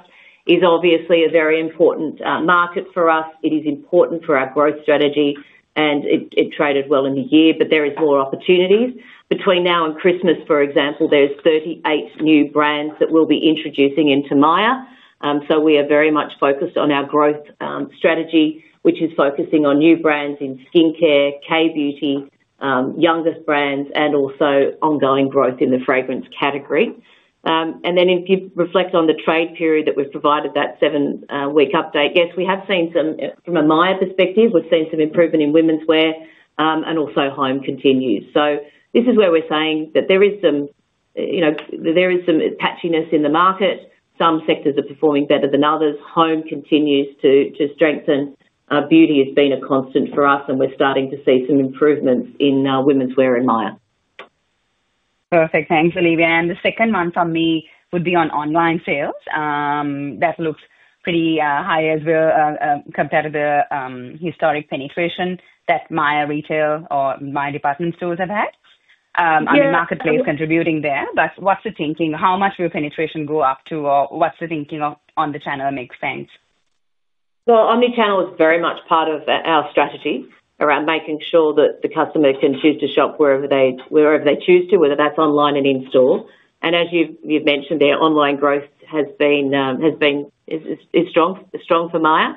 is obviously a very important market for us. It is important for our growth strategy, and it traded well in the year, but there are more opportunities. Between now and Christmas, for example, there are 38 new brands that we'll be introducing into Myer. We are very much focused on our growth strategy, which is focusing on new brands in skincare, K-beauty, younger brands, and also ongoing growth in the fragrance category. If you reflect on the trade period that we've provided, that seven-week update, yes, we have seen some, from a Myer perspective, we've seen some improvement in women's wear, and also home continues. This is where we're saying that there is some, you know, there is some patchiness in the market. Some sectors are performing better than others. Home continues to strengthen. Beauty has been a constant for us, and we're starting to see some improvements in women's wear in Myer. Perfect. Thanks, Olivia. The second one from me would be on online sales. That looks pretty high as well, compared to the historic penetration that Myer Retail or Myer Department stores have had. Yeah. Marketplace contributing there, but what's the thinking? How much will penetration go up to, or what's the thinking on the channel make sense? Omnichannel is very much part of our strategy around making sure that the customers can choose to shop wherever they choose to, whether that's online and in store. As you've mentioned there, online growth has been, is strong for Myer,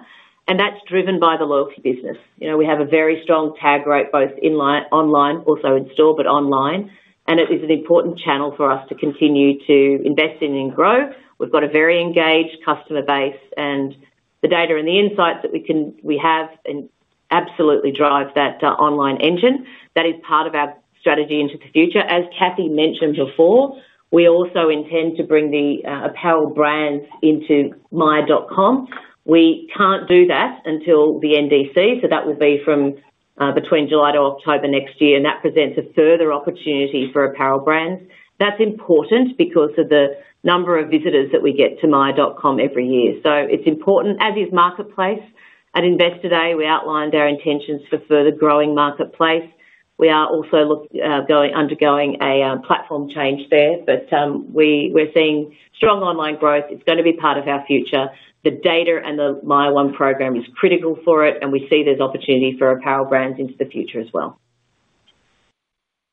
and that's driven by the loyalty business. We have a very strong tag rate, both online, also in store, but online, and it is an important channel for us to continue to invest in and grow. We've got a very engaged customer base, and the data and the insights that we can have absolutely drive that online engine. That is part of our strategy into the future. Kathy mentioned before, we also intend to bring the Apparel Brands into myer.com. We can't do that until the NDC, so that will be from between July to October next year, and that presents a further opportunity for Apparel Brands. That's important because of the number of visitors that we get to myer.com every year. It is important, as is Marketplace. At Investor Day, we outlined our intentions for further growing Marketplace. We are also undergoing a platform change there, but we're seeing strong online growth. It's going to be part of our future. The data and the MYER one program is critical for it, and we see there's opportunity for Apparel Brands into the future as well.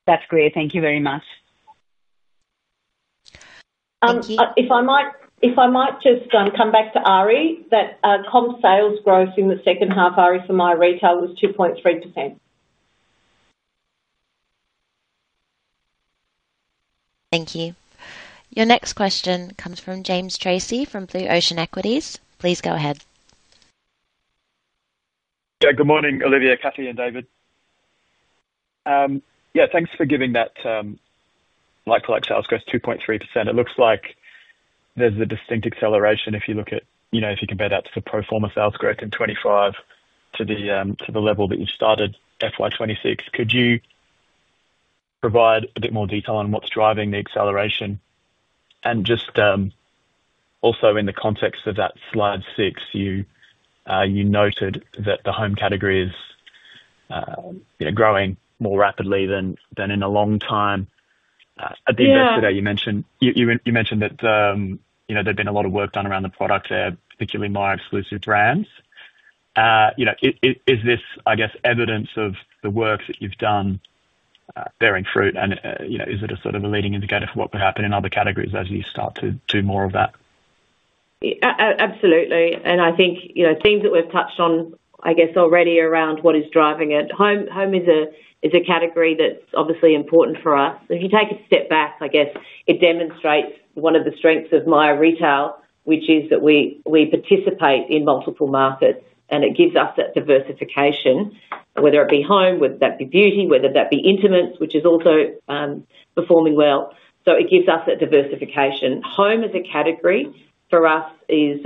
That's clear. Thank you very much. If I might just come back to Ari, that comp sales growth in the second half, Ari, for Myer Retail was 2.3%. Thank you. Your next question comes from James Tracey from Blue Ocean Equities. Please go ahead. Yeah, good morning, Olivia, Kathy, and David. Thanks for giving that like-for-like sales growth 2.3%. It looks like there's a distinct acceleration if you compare that to the pro forma sales growth in 2025 to the level that you've started FY 2026. Could you provide a bit more detail on what's driving the acceleration? Also, in the context of that slide six, you noted that the home category is growing more rapidly than in a long time. At the Investor Day, you mentioned that there'd been a lot of work done around the product there, particularly Myer exclusive brands. Is this, I guess, evidence of the work that you've done bearing fruit? Is it a sort of a leading indicator for what could happen in other categories as you start to do more of that? Absolutely. I think, you know, things that we've touched on already around what is driving it. Home is a category that's obviously important for us. If you take a step back, it demonstrates one of the strengths of Myer Retail, which is that we participate in multiple markets, and it gives us that diversification, whether it be home, whether that be beauty, whether that be intimates, which is also performing well. It gives us that diversification. Home as a category for us is,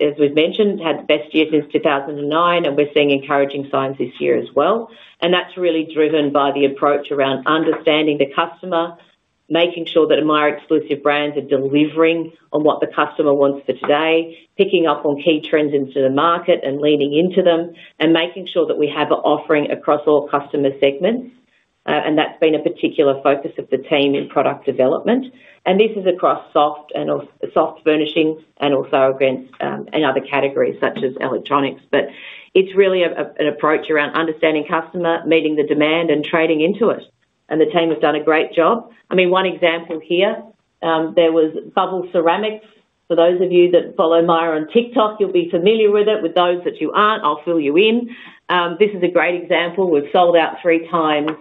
as we've mentioned, had best years since 2009, and we're seeing encouraging signs this year as well. That's really driven by the approach around understanding the customer, making sure that Myer exclusive brands are delivering on what the customer wants for today, picking up on key trends into the market and leaning into them, and making sure that we have an offering across all customer segments. That's been a particular focus of the team in product development. This is across soft and soft furnishings and also against other categories such as electronics. It's really an approach around understanding customer, meeting the demand, and trading into it. The team has done a great job. One example here, there was Bubble Ceramics. For those of you that follow Myer on TikTok, you'll be familiar with it. For those that aren't, I'll fill you in. This is a great example. We've sold out three times.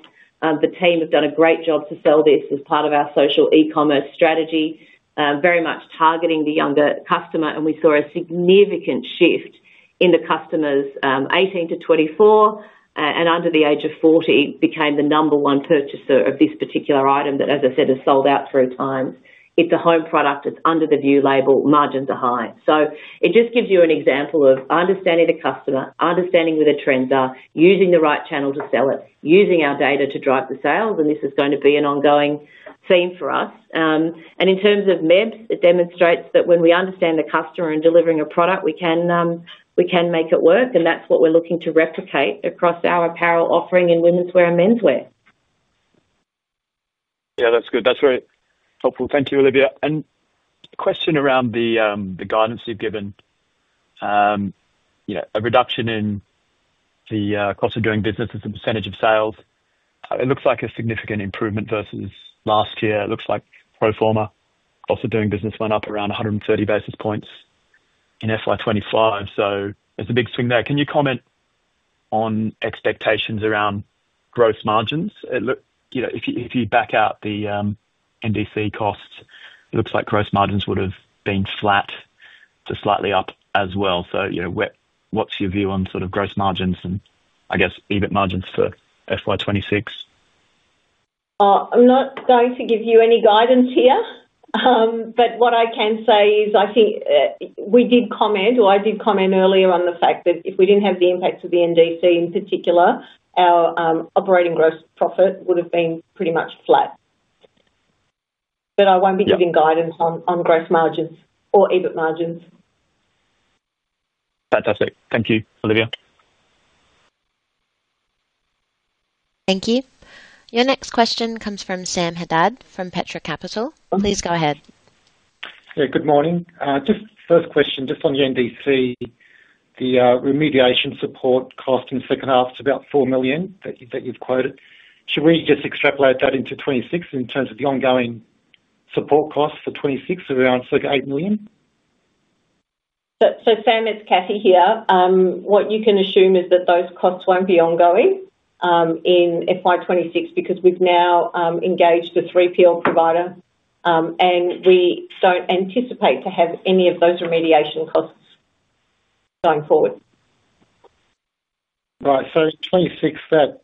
The team has done a great job to sell this as part of our social e-commerce strategy, very much targeting the younger customer. We saw a significant shift in the customers 18-24 and under the age of 40 became the number one purchaser of this particular item that, as I said, has sold out three times. It's a home product. It's under the Vue label, margin behind. It just gives you an example of understanding the customer, understanding where the trends are, using the right channel to sell it, using our data to drive the sales. This is going to be an ongoing theme for us. In terms of MEB, it demonstrates that when we understand the customer and delivering a product, we can make it work. That's what we're looking to replicate across our apparel offering in women's wear and men's wear. Yeah, that's good. That's very helpful. Thank you, Olivia. A question around the guidance you've given. You know, a reduction in the cost of doing business as a percentage of sales. It looks like a significant improvement versus last year. It looks like pro forma cost of doing business went up around 130 basis points in FY 2025. There's a big swing there. Can you comment on expectations around gross margins? If you back out the NDC costs, it looks like gross margins would have been flat to slightly up as well. What's your view on sort of gross margins and, I guess, EBIT margins for FY 2026? I'm not going to give you any guidance here, but what I can say is I think we did comment, or I did comment earlier on the fact that if we didn't have the impacts of the NDC in particular, our operating gross profit would have been pretty much flat. I won't be giving guidance on gross margins or EBIT margins. Fantastic. Thank you, Olivia. Thank you. Your next question comes from Sam Haddad from Petra Capital. Please go ahead. Good morning. Just first question, just on the NDC, the remediation support cost in the second half to about $4 million that you've quoted. Should we just extrapolate that into 2026 in terms of the ongoing support costs for 2026, around circa $8 million? Sam, it's Kathy here. What you can assume is that those costs won't be ongoing in FY 2026 because we've now engaged a 3PL provider, and we don't anticipate to have any of those remediation costs going forward. Right. In 2026, that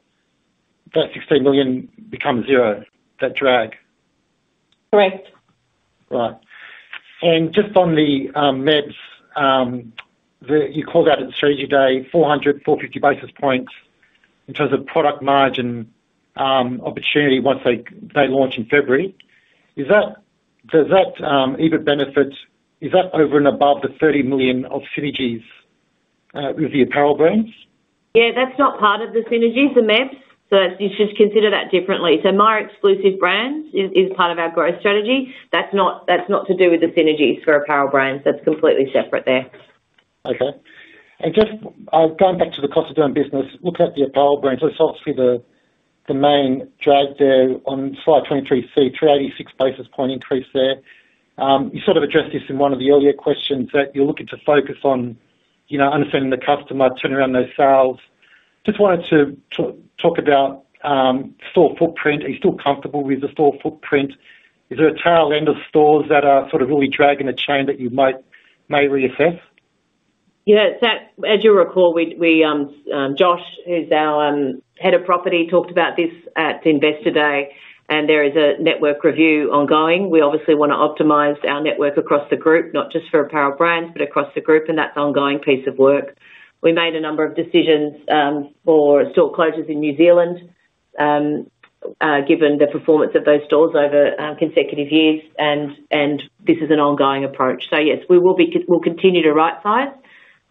$16 million becomes zero, that drag. Correct. Right. Just on the MEBs, you called out at strategy day 400, 450 basis points in terms of product margin opportunity once they launch in February. Does that EBIT benefit, is that over and above the $30 million of synergies with the Apparel Brands? Yeah, that's not part of the synergies, the MEBs. You should consider that differently. Myer exclusive brands is part of our growth strategy. That's not to do with the synergies for Apparel Brands. That's completely separate there. Okay. Just going back to the cost of doing business, looking at the Apparel Brands, that's obviously the main drag there on slide 23, 386 basis point increase there. You sort of addressed this in one of the earlier questions that you're looking to focus on, you know, understanding the customer, turning around those sales. Just wanted to talk about store footprint. Are you still comfortable with the store footprint? Is there a tail end of stores that are sort of really dragging the chain that you might reassess? Yeah, as you'll recall, Josh, who's our Head of Property, talked about this at Investor Day, and there is a network review ongoing. We obviously want to optimize our network across the group, not just for Apparel Brands, but across the group, and that's an ongoing piece of work. We made a number of decisions for store closures in New Zealand, given the performance of those stores over consecutive years, and this is an ongoing approach. Yes, we will continue to right-size.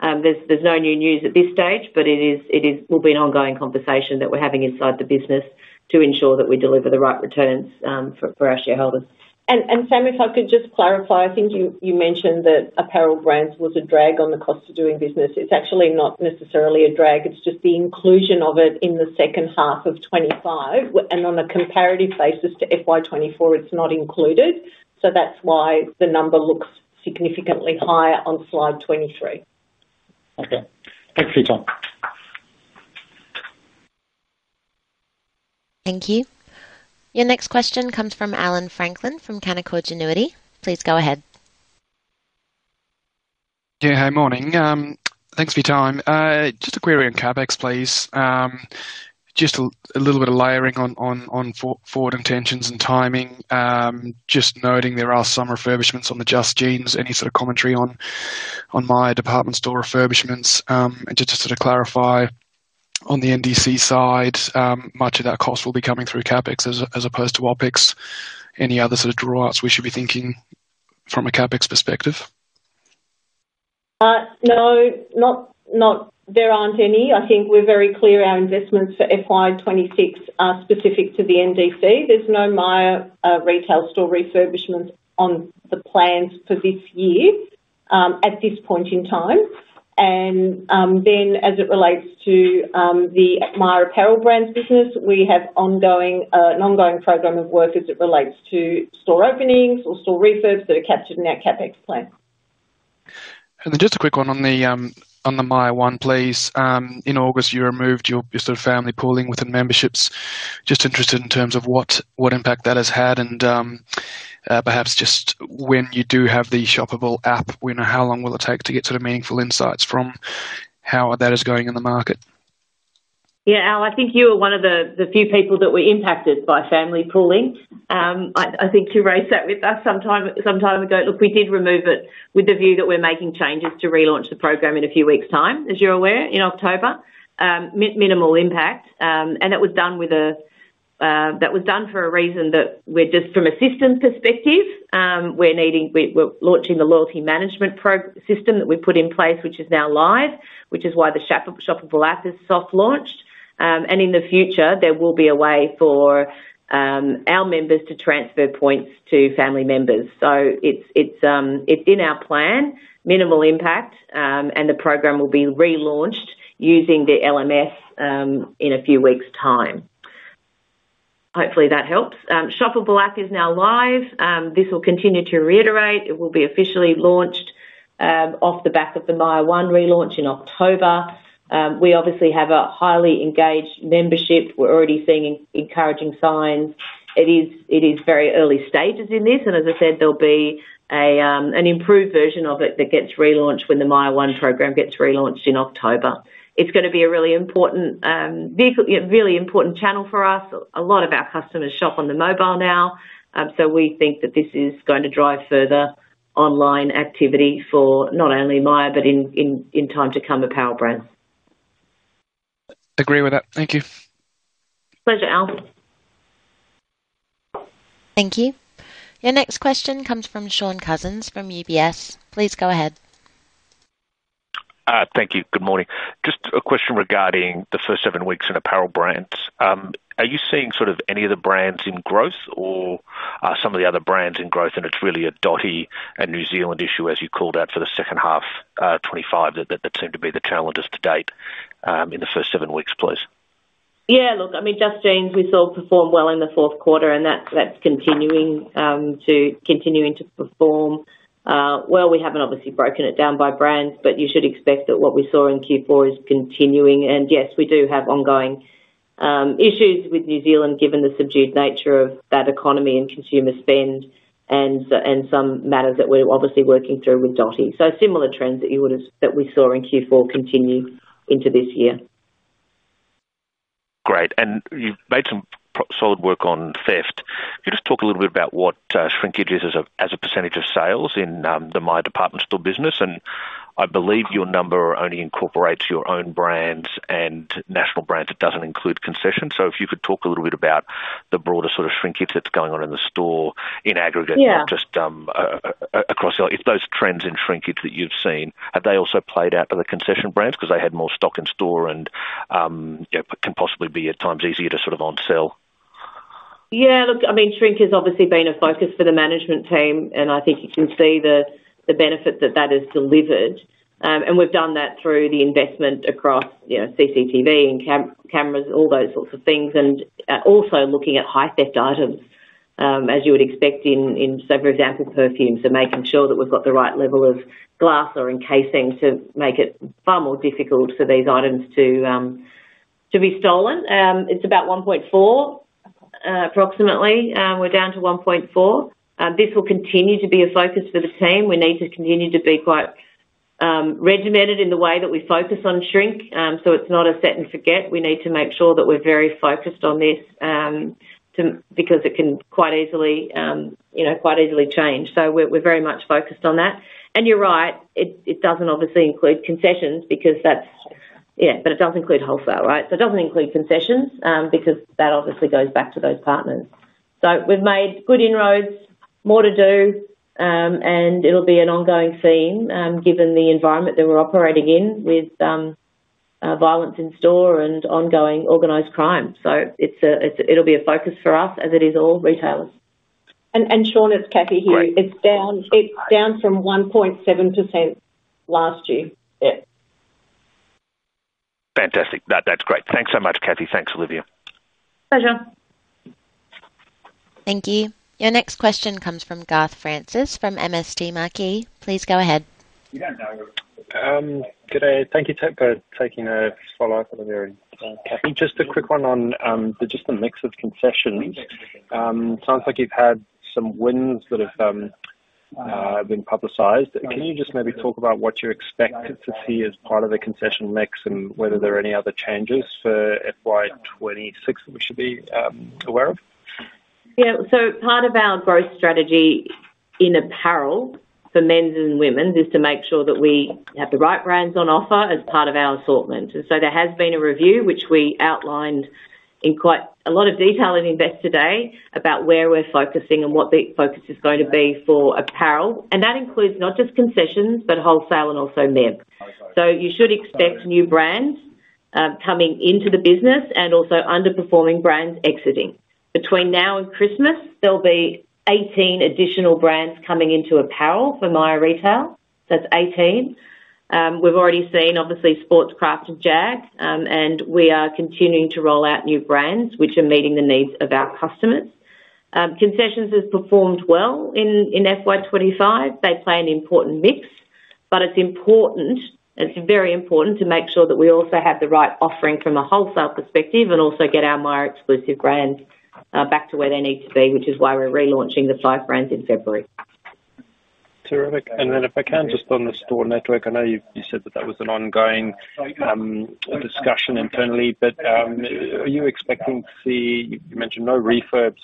There's no new news at this stage, but it will be an ongoing conversation that we're having inside the business to ensure that we deliver the right returns for our shareholders. Sam, if I could just clarify, I think you mentioned that Apparel Brands was a drag on the cost of doing business. It's actually not necessarily a drag. It's just the inclusion of it in the second half of 2025, and on a comparative basis to FY2024, it's not included. That's why the number looks significantly higher on slide 23. Okay, thanks for your time. Thank you. Your next question comes from Allan Franklin from Canaccord Genuity. Please go ahead. Yeah, hey, morning. Thanks for your time. Just a query on CapEx, please. Just a little bit of layering on forward intentions and timing. Just noting there are some refurbishments on the Just Jeans. Any sort of commentary on Myer Department store refurbishments? Just to clarify, on the NDC side, much of that cost will be coming through CapEx as opposed to OpEx. Any other sort of draw-outs we should be thinking from a CapEx perspective? No, there aren't any. I think we're very clear our investments for FY 2026 are specific to the NDC. There's no Myer Retail store refurbishments on the plans for this year at this point in time. As it relates to the Myer Apparel Brands business, we have an ongoing program of work as it relates to store openings or store refurbs that are captured in our CapEx plan. Just a quick one on the MYER one, please. In August, you removed your family pooling within memberships. I'm just interested in terms of what impact that has had and perhaps just when you do have the shoppable app, you know how long will it take to get sort of meaningful insights from how that is going in the market? Yeah, Al, I think you are one of the few people that were impacted by family pooling. I think you raised that with us some time ago. We did remove it with the view that we're making changes to relaunch the program in a few weeks' time, as you're aware, in October. Minimal impact. It was done for a reason that we're just, from a systems perspective, we're launching the loyalty management system that we put in place, which is now live, which is why the shoppable app is soft launched. In the future, there will be a way for our members to transfer points to family members. It's in our plan, minimal impact, and the program will be relaunched using the LMS in a few weeks' time. Hopefully, that helps. Shoppable app is now live. This will continue to reiterate. It will be officially launched off the back of the MYER one relaunch in October. We obviously have a highly engaged membership. We're already seeing encouraging signs. It is very early stages in this, and as I said, there'll be an improved version of it that gets relaunched when the MYER one program gets relaunched in October. It's going to be a really important, really important channel for us. A lot of our customers shop on the mobile now, so we think that this is going to drive further online activity for not only Myer, but in time to come, Apparel Brands. Agree with that. Thank you. Pleasure, Al. Thank you. Your next question comes from Shaun Cousins from UBS. Please go ahead. Thank you. Good morning. Just a question regarding the first seven weeks in Apparel Brands. Are you seeing sort of any of the brands in growth, or are some of the other brands in growth? It's really a Dotti and New Zealand issue, as you called out, for the second half 2025 that seem to be the challenges to date in the first seven weeks, please. Yeah, look, I mean, Just Jeans, we saw perform well in the fourth quarter, and that's continuing to perform well. We haven't obviously broken it down by brands, but you should expect that what we saw in Q4 is continuing. Yes, we do have ongoing issues with New Zealand, given the subdued nature of that economy and consumer spend and some matters that we're obviously working through with Dotti. Similar trends that you would have that we saw in Q4 continue into this year. Great. You've made some solid work on theft. Could you just talk a little bit about what shrinkage is as a percentage of sales in the Myer Department store business? I believe your number only incorporates your own brands and national brands. It doesn't include concessions. Could you talk a little bit about the broader sort of shrinkage that's going on in the store in aggregate, not just across the... If those trends in shrinkage that you've seen, have they also played out for the concession brands because they had more stock in store and can possibly be at times easier to sort of on-sell? Yeah, look, I mean, shrinkage has obviously been a focus for the management team, and I think you can see the benefit that that has delivered. We've done that through the investment across CCTV and cameras, all those sorts of things, and also looking at high-theft items, as you would expect in, say, for example, perfumes, and making sure that we've got the right level of glass or encasing to make it far more difficult for these items to be stolen. It's about 1.4, approximately. We're down to 1.4. This will continue to be a focus for the team. We need to continue to be quite regimented in the way that we focus on shrink. It's not a set and forget. We need to make sure that we're very focused on this because it can quite easily, you know, quite easily change. We're very much focused on that. You're right, it doesn't obviously include concessions because that's... Yeah, but it does include wholesale, right? It doesn't include concessions because that obviously goes back to those partners. We've made good inroads, more to do, and it'll be an ongoing theme given the environment that we're operating in with violence in store and ongoing organized crime. It'll be a focus for us as it is all retailers. Shaun, it's Kathy here. It's down from 1.7% last year. Yeah. Fantastic. That's great. Thanks so much, Kathy. Thanks, Olivia. Pleasure. Thank you. Your next question comes from Garth Francis from MST Marquee. Please go ahead. Thank you for taking a follow-up, Olivia and Kathy. Just a quick one on just the mix of concessions. It sounds like you've had some wins that have been publicized. Can you just maybe talk about what you're expected to see as part of the concession mix and whether there are any other changes for FY 2026 that we should be aware of? Yeah, part of our growth strategy in apparel for men's and women's is to make sure that we have the right brands on offer as part of our assortment. There has been a review, which we outlined in quite a lot of detail at Investor Day, about where we're focusing and what the focus is going to be for apparel. That includes not just concessions, but wholesale and also MEB. You should expect new brands coming into the business and also underperforming brands exiting. Between now and Christmas, there'll be 18 additional brands coming into apparel for Myer Retail. That's 18. We've already seen, obviously, Sportscraft and Jag, and we are continuing to roll out new brands which are meeting the needs of our customers. Concessions have performed well in FY 2025. They play an important mix, but it's important, it's very important. Make sure that we also have the right offering from a wholesale perspective and also get our Myer exclusive brand back to where they need to be, which is why we're relaunching the five brands in February. Terrific. If I can just on the store network, I know you said that was an ongoing discussion internally, but are you expecting to see, you mentioned no refurbs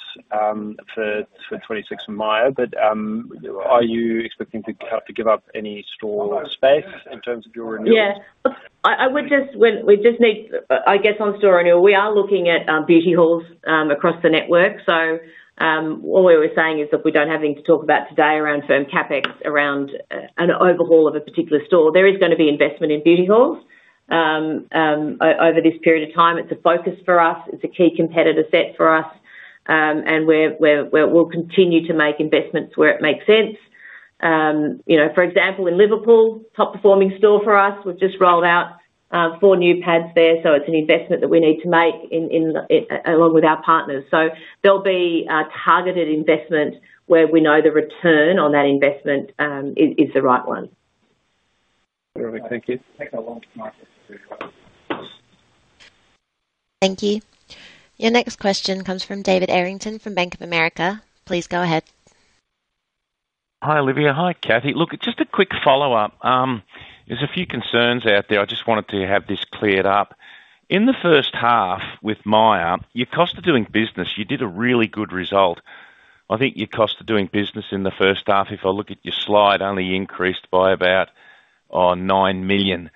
for 2026 Myer, but are you expecting to have to give up any store space in terms of your renewal? I would just say, on store renewal, we are looking at beauty halls across the network. What we were saying is that we don't have anything to talk about today around firm CapEx, around an overhaul of a particular store. There is going to be investment in beauty halls over this period of time. It's a focus for us. It's a key competitor set for us, and we'll continue to make investments where it makes sense. For example, in Liverpool, a top performing store for us, we've just rolled out four new pads there. It's an investment that we need to make along with our partners. There will be a targeted investment where we know the return on that investment is the right one. Thank you. Thank you. Your next question comes from David Errington from Bank of America. Please go ahead. Hi Olivia, hi Kathy. Look, just a quick follow-up. There are a few concerns out there. I just wanted to have this cleared up. In the first half with Myer, your cost of doing business, you did a really good result. I think your cost of doing business in the first half, if I look at your slide, only increased by about $9 million.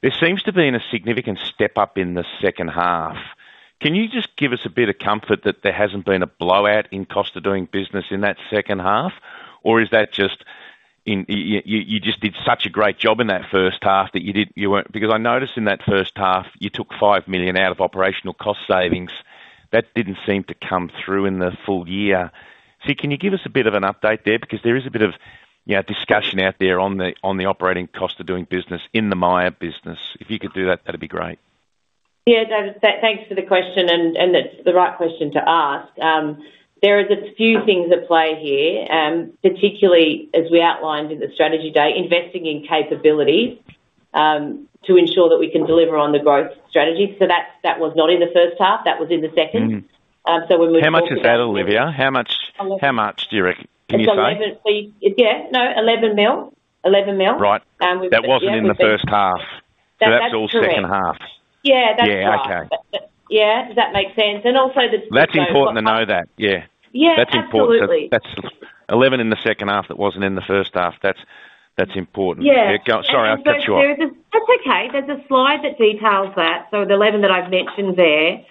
There seems to be a significant step up in the second half. Can you just give us a bit of comfort that there hasn't been a blowout in cost of doing business in that second half? Is that just, you just did such a great job in that first half that you didn't, you weren't, because I noticed in that first half you took $5 million out of operational cost savings. That didn't seem to come through in the full year. Can you give us a bit of an update there? There is a bit of discussion out there on the operating cost of doing business in the Myer business. If you could do that, that'd be great. Thank you for the question. That's the right question to ask. There are a few things at play here, particularly as we outlined in the strategy data, investing in capability to ensure that we can deliver on the growth strategy. That was not in the first half, that was in the second. We moved on. How much is that, Olivia? How much, how much, Dirk, can you say? Yeah, no, $11 million. $11 million. Right. That wasn't in the first half. That's all second half. Yeah, that's all. Yeah, okay. Yeah, does that make sense? Also, the. That's important to know. Yeah, absolutely. That's important. That's $11 million in the second half that wasn't in the first half. That's important. Yeah. Sorry, I cut you off. That's okay. There's a slide that details that. The $11 million that I've mentioned there,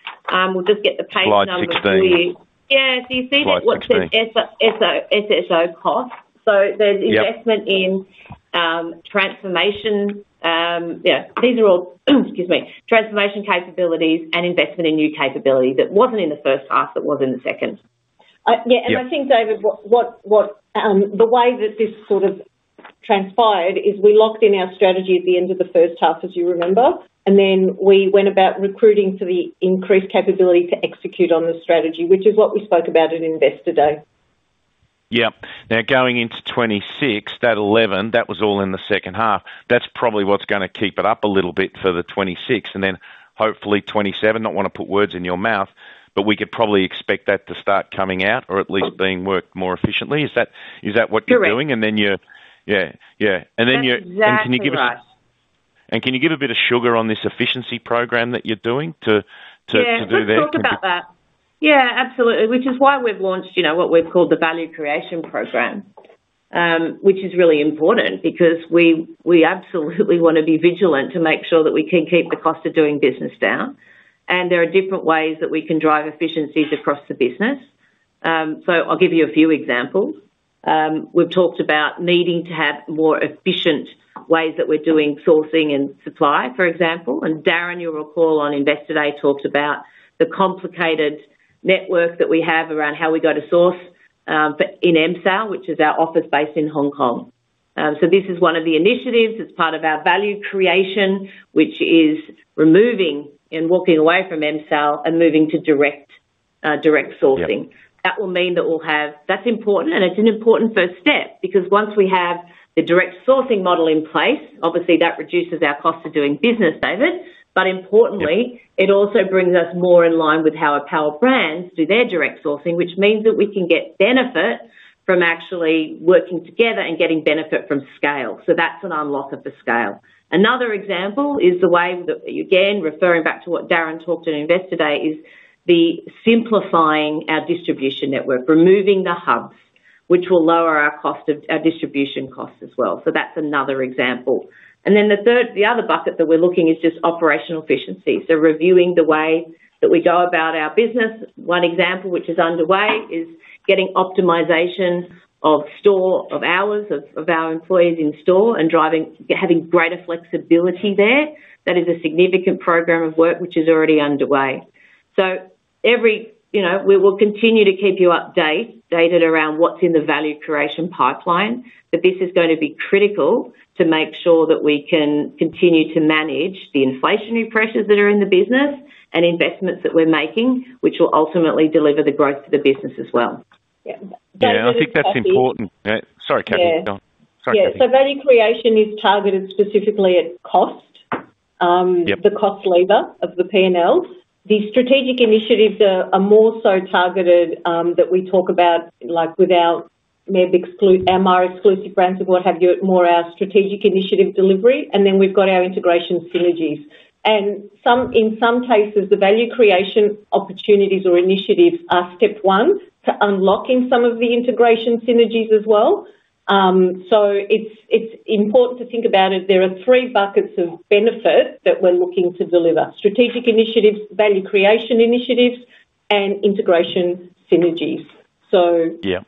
we'll just get the page number. Slide 16. You see the. Slide 16. SSO costs. There's investment in transformation. These are all transformation capabilities and investment in new capabilities. It wasn't in the first half, it was in the second. I think, David, the way that this sort of transpired is we locked in our strategy at the end of the first half, as you remember, and then we went about recruiting for the increased capability to execute on the strategy, which is what we spoke about at investor day. Yeah. Now going into 2026, that $11 million, that was all in the second half. That's probably what's going to keep it up a little bit for 2026. Hopefully, 2027, not want to put words in your mouth, but we could probably expect that to start coming out or at least being worked more efficiently. Is that what you're doing? Correct. Yeah, yeah. Exactly. Can you give a bit of sugar on this efficiency program that you're doing to do that? Yeah, let's talk about that. Yeah, absolutely. Which is why we've launched, you know, what we've called the Value Creation Program, which is really important because we absolutely want to be vigilant to make sure that we can keep the cost of doing business down. There are different ways that we can drive efficiencies across the business. I'll give you a few examples. We've talked about needing to have more efficient ways that we're doing sourcing and supply, for example. Darren, you'll recall on investor day, talked about the complicated network that we have around how we go to source, but in MSAL, which is our office based in Hong Kong. This is one of the initiatives as part of our value creation, which is removing and walking away from MSAL and moving to direct sourcing. That will mean that we'll have, that's important, and it's an important first step because once we have the direct sourcing model in place, obviously that reduces our cost of doing business, David. Importantly, it also brings us more in line with how our power brands do their direct sourcing, which means that we can get benefit from actually working together and getting benefit from scale. That's an unlock of the scale. Another example is the way that, again, referring back to what Darren talked in investor day, is simplifying our distribution network, removing the hubs, which will lower our distribution costs as well. That's another example. The other bucket that we're looking at is just operational efficiency. Reviewing the way that we go about our business, one example, which is underway, is getting optimization of store hours of our employees in store and having greater flexibility there. That is a significant program of work, which is already underway. We will continue to keep you updated around what's in the value creation pipeline, but this is going to be critical to make sure that we can continue to manage the inflationary pressures that are in the business and investments that we're making, which will ultimately deliver the growth to the business as well. Yeah, I think that's important. Sorry, Kathy. Yeah, so value creation is targeted specifically at cost, the cost lever of the P&L. The strategic initiatives are more so targeted that we talk about, like with our Myer exclusive brands or what have you, more our strategic initiative delivery. Then we've got our integration synergies. In some cases, the value creation opportunities or initiatives are step one to unlocking some of the integration synergies as well. It's important to think about it. There are three buckets of benefit that we're looking to deliver: strategic initiatives, value creation initiatives, and integration synergies. Yeah.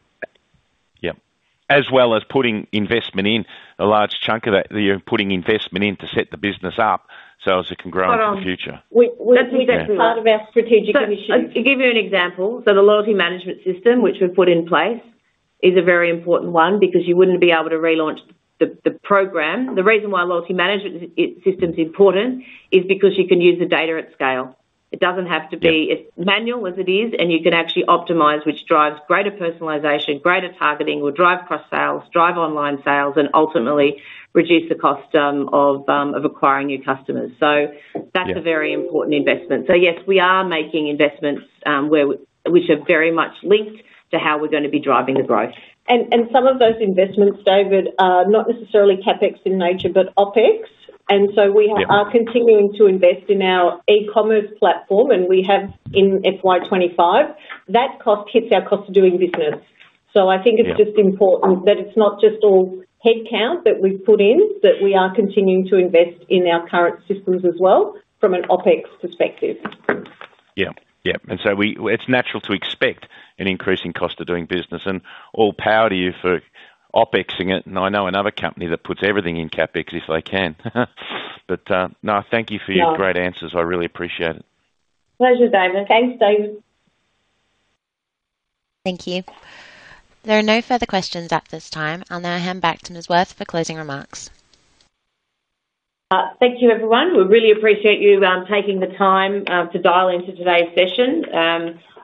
As well as putting investment in, a large chunk of it, you're putting investment in to set the business up so as a congruent future. That's part of our strategic initiative. I'll give you an example. The loyalty management system, which we've put in place, is a very important one because you wouldn't be able to relaunch the program. The reason why loyalty management system is important is because you can use the data at scale. It doesn't have to be as manual as it is, and you can actually optimize, which drives greater personalization, greater targeting, will drive cross sales, drive online sales, and ultimately reduce the cost of acquiring new customers. That's a very important investment. Yes, we are making investments which are very much linked to how we're going to be driving the growth. Some of those investments, David, are not necessarily CapEx in nature, but OpEx. We are continuing to invest in our e-commerce platform, and we have in FY 2025. That cost hits our cost of doing business. I think it's just important that it's not just all headcount that we've put in, that we are continuing to invest in our current systems as well from an OpEx perspective. Yeah, yeah. It's natural to expect an increasing cost of doing business. All power to you for OpExing it. I know another company that puts everything in CapEx if they can. Thank you for your great answers. I really appreciate it. Pleasure, David. Thanks, David. Thank you. There are no further questions at this time. I'll now hand back to Ms. Wirth for closing remarks. Thank you, everyone. We really appreciate you taking the time to dial into today's session.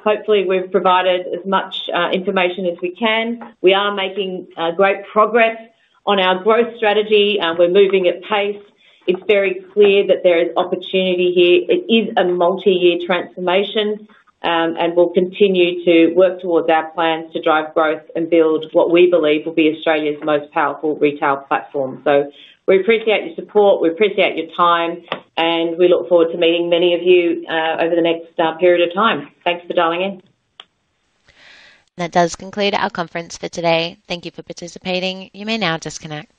Hopefully, we've provided as much information as we can. We are making great progress on our growth strategy. We're moving at pace. It's very clear that there is opportunity here. It is a multi-year transformation, and we'll continue to work towards our plans to drive growth and build what we believe will be Australia's most powerful retail platform. We appreciate your support, we appreciate your time, and we look forward to meeting many of you over the next period of time. Thanks for dialing in. That does conclude our conference for today. Thank you for participating. You may now disconnect.